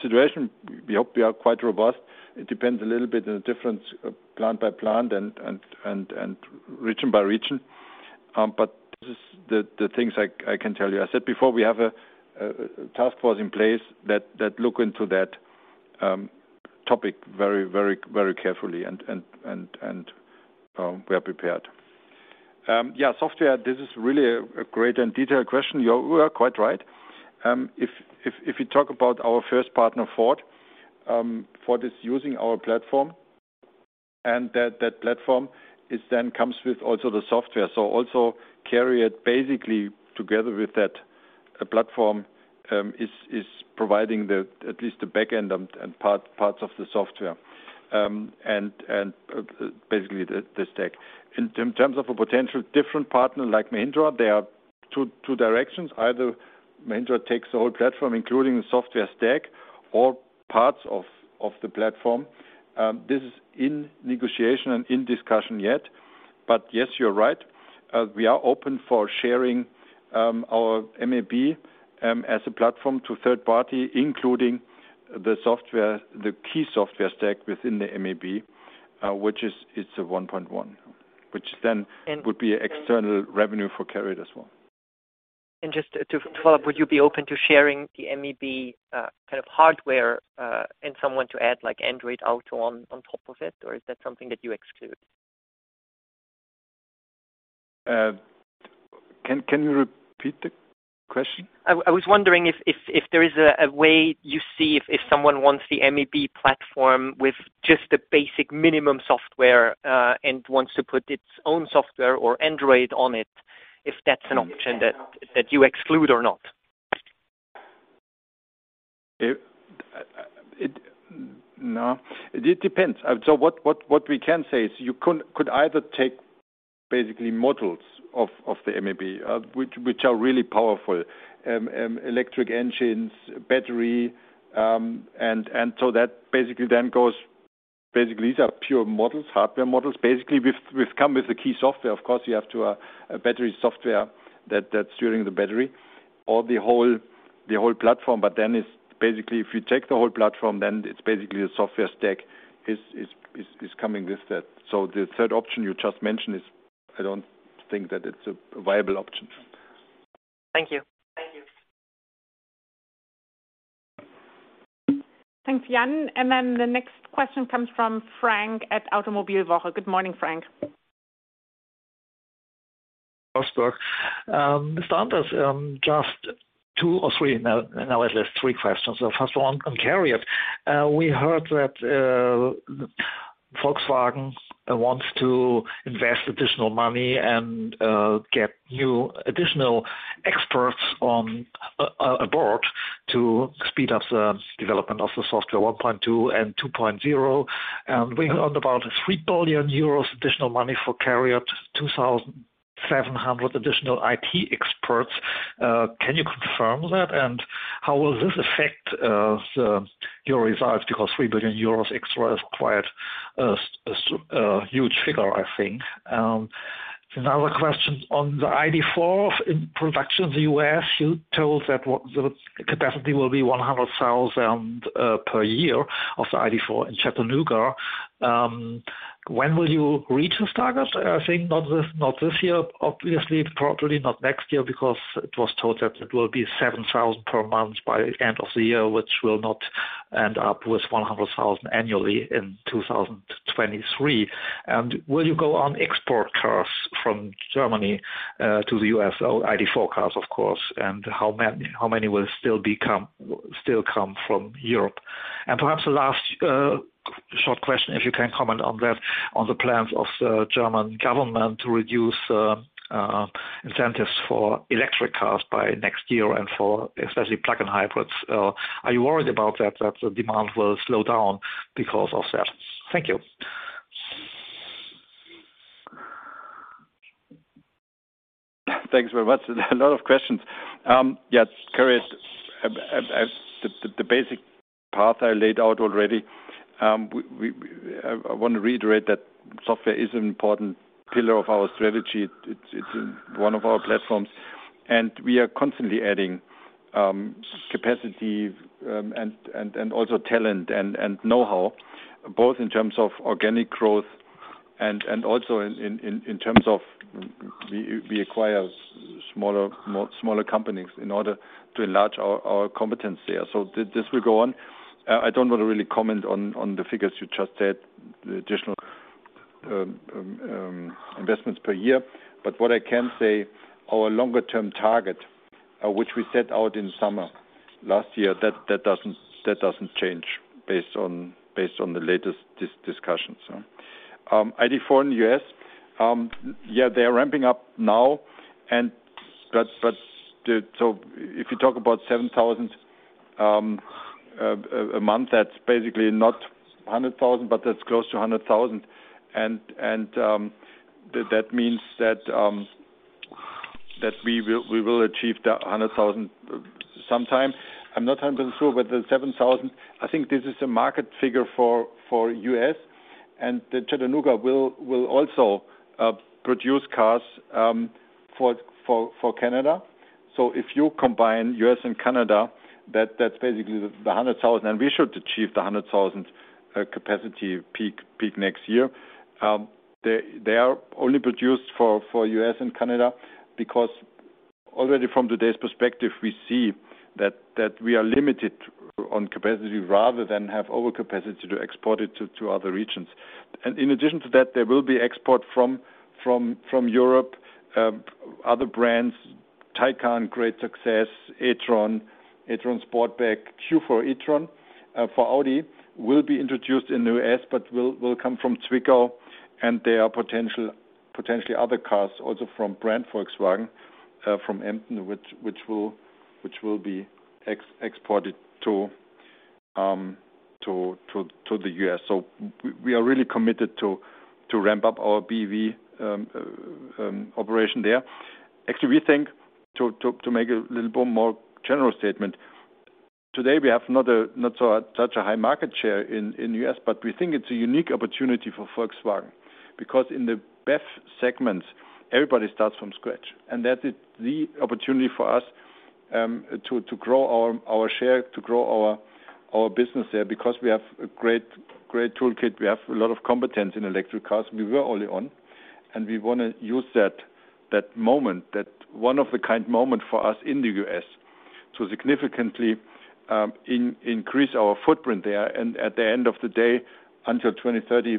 situation. We hope we are quite robust. It depends a little bit on the different plant by plant and region by region. This is the things I can tell you. I said before, we have a task force in place that look into that topic very carefully and we are prepared. Software, this is really a great and detailed question. You are quite right. If you talk about our first partner, Ford is using our platform, and that platform is then comes with also the software. Also CARIAD basically together with that platform is providing at least the back end and parts of the software and basically the stack. In terms of a potential different partner like Mahindra, there are two directions. Either Mahindra takes the whole platform, including the software stack, or parts of the platform. This is in negotiation and in discussion yet. Yes, you're right. We are open for sharing our MEB as a platform to third party, including the software, the key software stack within the MEB, which is 1.1, which then would be external revenue for CARIAD as well. Just to follow up, would you be open to sharing the MEB kind of hardware and software to add like Android Auto on top of it? Or is that something that you exclude? Can you repeat the question? I was wondering if there is a way you see if someone wants the MEB platform with just the basic minimum software, and wants to put its own software or Android on it, if that's an option that you exclude or not? No. It depends. What we can say is you could either take basically models of the MEB, which are really powerful electric engines, battery, and so that basically then goes. Basically these are pure models, hardware models. Basically, we've come with the key software. Of course, you have to have a battery software that's running the battery or the whole platform. Then it's basically if you take the whole platform, then it's basically the software stack is coming with that. The third option you just mentioned is. I don't think that it's a viable option. Thank you. Thanks, Jan. The next question comes from Frank at Automobilwoche. Good morning, Frank. Just two or three, at least three questions. The first one on CARIAD. We heard that Volkswagen wants to invest additional money and get new additional experts aboard to speed up the development of the Software 1.2 and 2.0. We heard about 3 billion euros additional money for CARIAD, 2,700 additional IT experts. Can you confirm that? And how will this affect your results because 3 billion euros extra is quite a huge figure, I think. Another question on the ID.4 in production in the US, you told that the capacity will be 100,000 per year of the ID.4 in Chattanooga. When will you reach this target? I think not this year, obviously, probably not next year because it was told that it will be 7,000 per month by end of the year, which will not end up with 100,000 annually in 2023. Will you go on export cars from Germany to the U.S., ID.4 cars, of course. How many will still come from Europe? Perhaps the last short question, if you can comment on that, on the plans of the German government to reduce incentives for electric cars by next year and for especially plug-in hybrids. Are you worried about that the demand will slow down because of that? Thank you. Thanks very much. A lot of questions. Yes, CARIAD, the basic path I laid out already. I wanna reiterate that software is an important pillar of our strategy. It's one of our platforms, and we are constantly adding capacity and also talent and know-how, both in terms of organic growth and also in terms of we acquire smaller companies in order to enlarge our competence there. So this will go on. I don't wanna really comment on the figures you just said, the additional investments per year. What I can say, our longer-term target, which we set out in summer last year, that doesn't change based on the latest discussions. ID.4 in the U.S., yeah, they are ramping up now, but so if you talk about 7,000 a month, that's basically not 100,000, but that's close to 100,000. That means that we will achieve the 100,000 sometime. I'm not 100% sure, but the 7,000, I think this is a market figure for U.S., and the Chattanooga will also produce cars for Canada. If you combine U.S. and Canada, that's basically the 100,000, and we should achieve the 100,000 capacity peak next year. They are only produced for U.S. and Canada because already from today's perspective, we see that we are limited on capacity rather than have overcapacity to export it to other regions. In addition to that, there will be export from Europe, other brands, Taycan, great success, e-tron, e-tron Sportback, Q4 e-tron, for Audi will be introduced in the U.S., but will come from Zwickau, and there are potentially other cars also from brand Volkswagen, from Emden which will be exported to the U.S. We are really committed to ramp up our BEV operation there. Actually, we think to make a little more general statement, today we have not such a high market share in U.S., but we think it's a unique opportunity for Volkswagen because in the BEV segments everybody starts from scratch. That is the opportunity for us to grow our share, to grow our business there because we have a great toolkit. We have a lot of competence in electric cars. We were early on, and we wanna use that moment, that one of a kind moment for us in the US to significantly increase our footprint there and at the end of the day until 2030,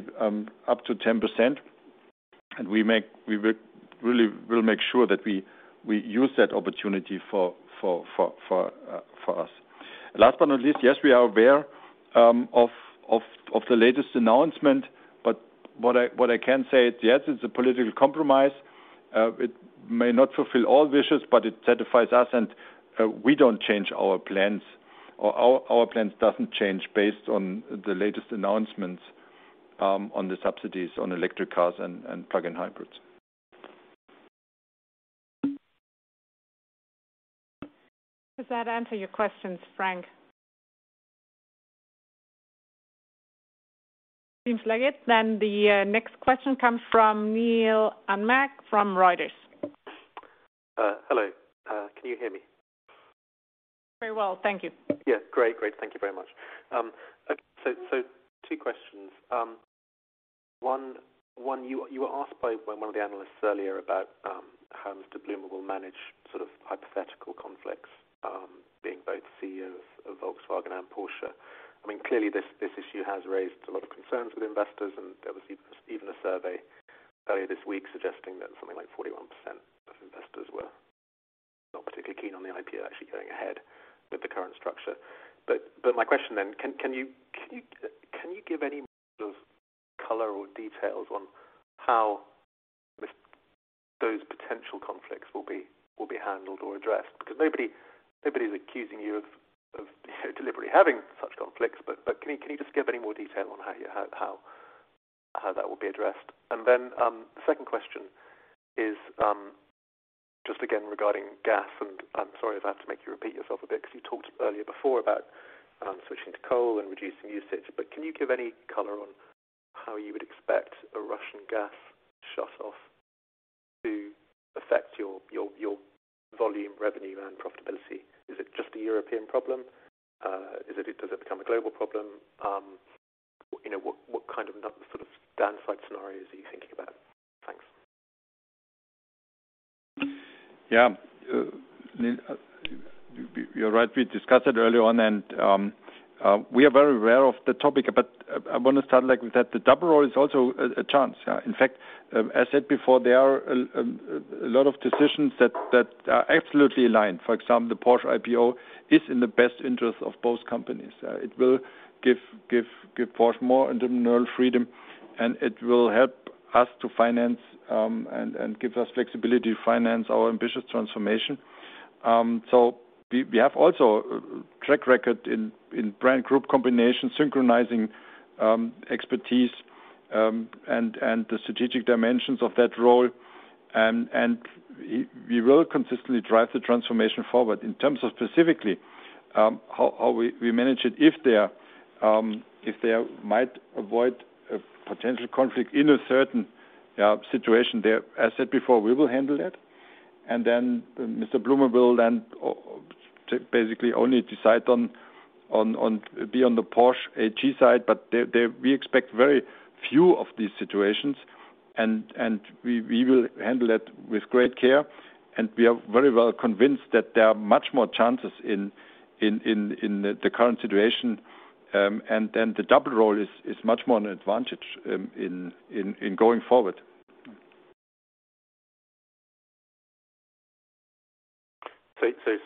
up to 10%. We will really make sure that we use that opportunity for us. Last but not least, yes, we are aware of the latest announcement, but what I can say is, yes, it's a political compromise. It may not fulfill all wishes, but it satisfies us and we don't change our plans or our plans doesn't change based on the latest announcements on the subsidies on electric cars and plug-in hybrids. Does that answer your questions, Frank? Seems like it. The next question comes from Neal Amack from Reuters. Hello. Can you hear me? Very well. Thank you. Yes. Great. Thank you very much. So two questions. One, you were asked by one of the analysts earlier about how Mr. Blume will manage sort of hypothetical conflicts, being both CEO of Volkswagen and Porsche. I mean, clearly this issue has raised a lot of concerns with investors, and there was even a survey earlier this week suggesting that something like 41% of investors were not particularly keen on the IPO actually going ahead with the current structure. My question then, can you give any sort of color or details on how this those potential conflicts will be handled or addressed? Because nobody's accusing you of, you know, deliberately having such conflicts. Can you just give any more detail on how that will be addressed? Then, the second question is, just again regarding gas and I'm sorry if I have to make you repeat yourself a bit 'cause you talked earlier before about, switching to coal and reducing usage. Can you give any color on how you would expect a Russian gas shutoff to affect your volume revenue and profitability? Is it just a European problem? Does it become a global problem? You know, what sort of downside scenarios are you thinking about? Thanks. Yeah, Neal, you're right. We discussed it earlier on and we are very aware of the topic, but I wanna start like with that the double role is also a chance. In fact, as said before, there are a lot of decisions that are absolutely aligned. For example, the Porsche IPO is in the best interest of both companies. It will give Porsche more entrepreneurial freedom, and it will help us to finance and give us flexibility to finance our ambitious transformation. We have also track record in brand group combination, synchronizing expertise and the strategic dimensions of that role and we will consistently drive the transformation forward. In terms of specifically how we manage it if there might be a potential conflict in a certain situation there, as said before, we will handle that. Mr. Blume will then basically only be on the Porsche AG side, but there we expect very few of these situations and we will handle it with great care, and we are very well convinced that there are much more chances in the current situation, and the double role is much more an advantage in going forward.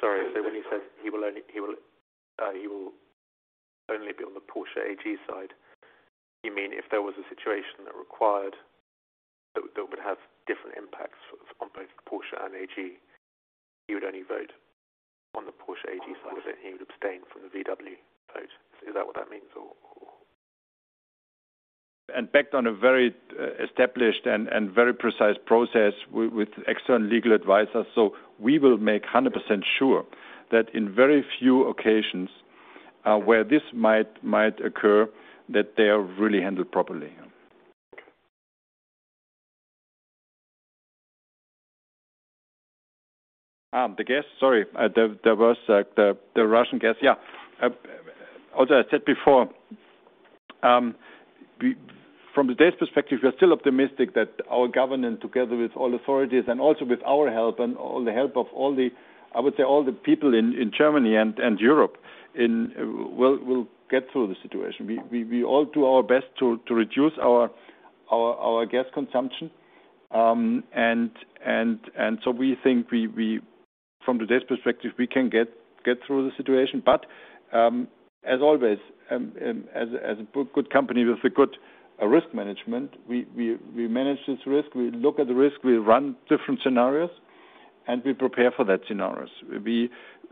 Sorry. When you said he will only be on the Porsche AG side, you mean if there was a situation that required that would have different impacts on both Porsche and AG, he would only vote on the Porsche AG side of it, and he would abstain from the VW vote. Is that what that means or? Based on a very established and very precise process with external legal advisors. We will make 100% sure that in very few occasions where this might occur that they are really handled properly. The gas. There was, like, the Russian gas. From today's perspective, we are still optimistic that our government, together with all authorities and also with our help and all the help of all the people in Germany and Europe we'll get through the situation. We all do our best to reduce our gas consumption. We think from today's perspective, we can get through the situation. As always, as a good company with a good risk management, we manage this risk, we look at the risk, we run different scenarios, and we prepare for those scenarios.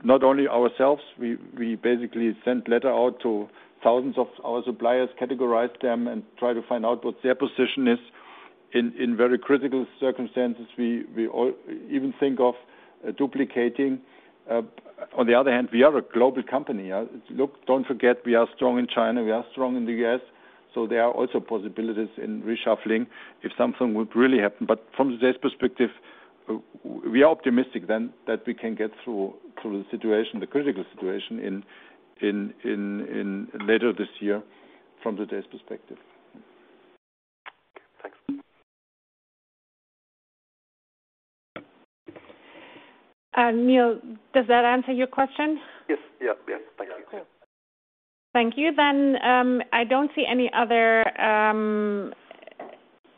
Not only ourselves, we basically send letters out to thousands of our suppliers, categorize them, and try to find out what their position is. In very critical circumstances, we all even think of duplicating. On the other hand, we are a global company. Look, don't forget, we are strong in China, we are strong in the US, so there are also possibilities in reshuffling if something would really happen. From today's perspective, we are optimistic then that we can get through the situation, the critical situation in later this year from today's perspective. Thanks. Neal, does that answer your question? Yes. Yeah. Yes. Thank you. Thank you. I don't see any other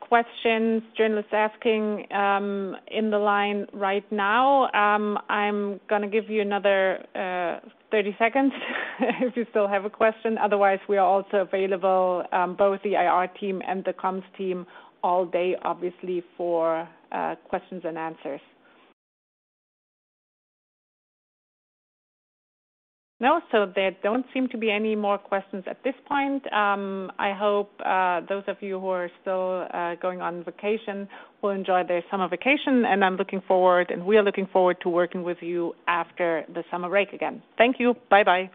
questions journalists asking in the line right now. I'm gonna give you another 30 seconds if you still have a question. Otherwise, we are also available both the IR team and the comms team all day, obviously, for questions and answers. No, there don't seem to be any more questions at this point. I hope those of you who are still going on vacation will enjoy their summer vacation, and I'm looking forward, and we are looking forward to working with you after the summer break again. Thank you. Bye-bye.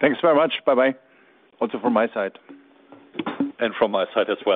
Thanks very much. Bye-bye. Also from my side. From my side as well.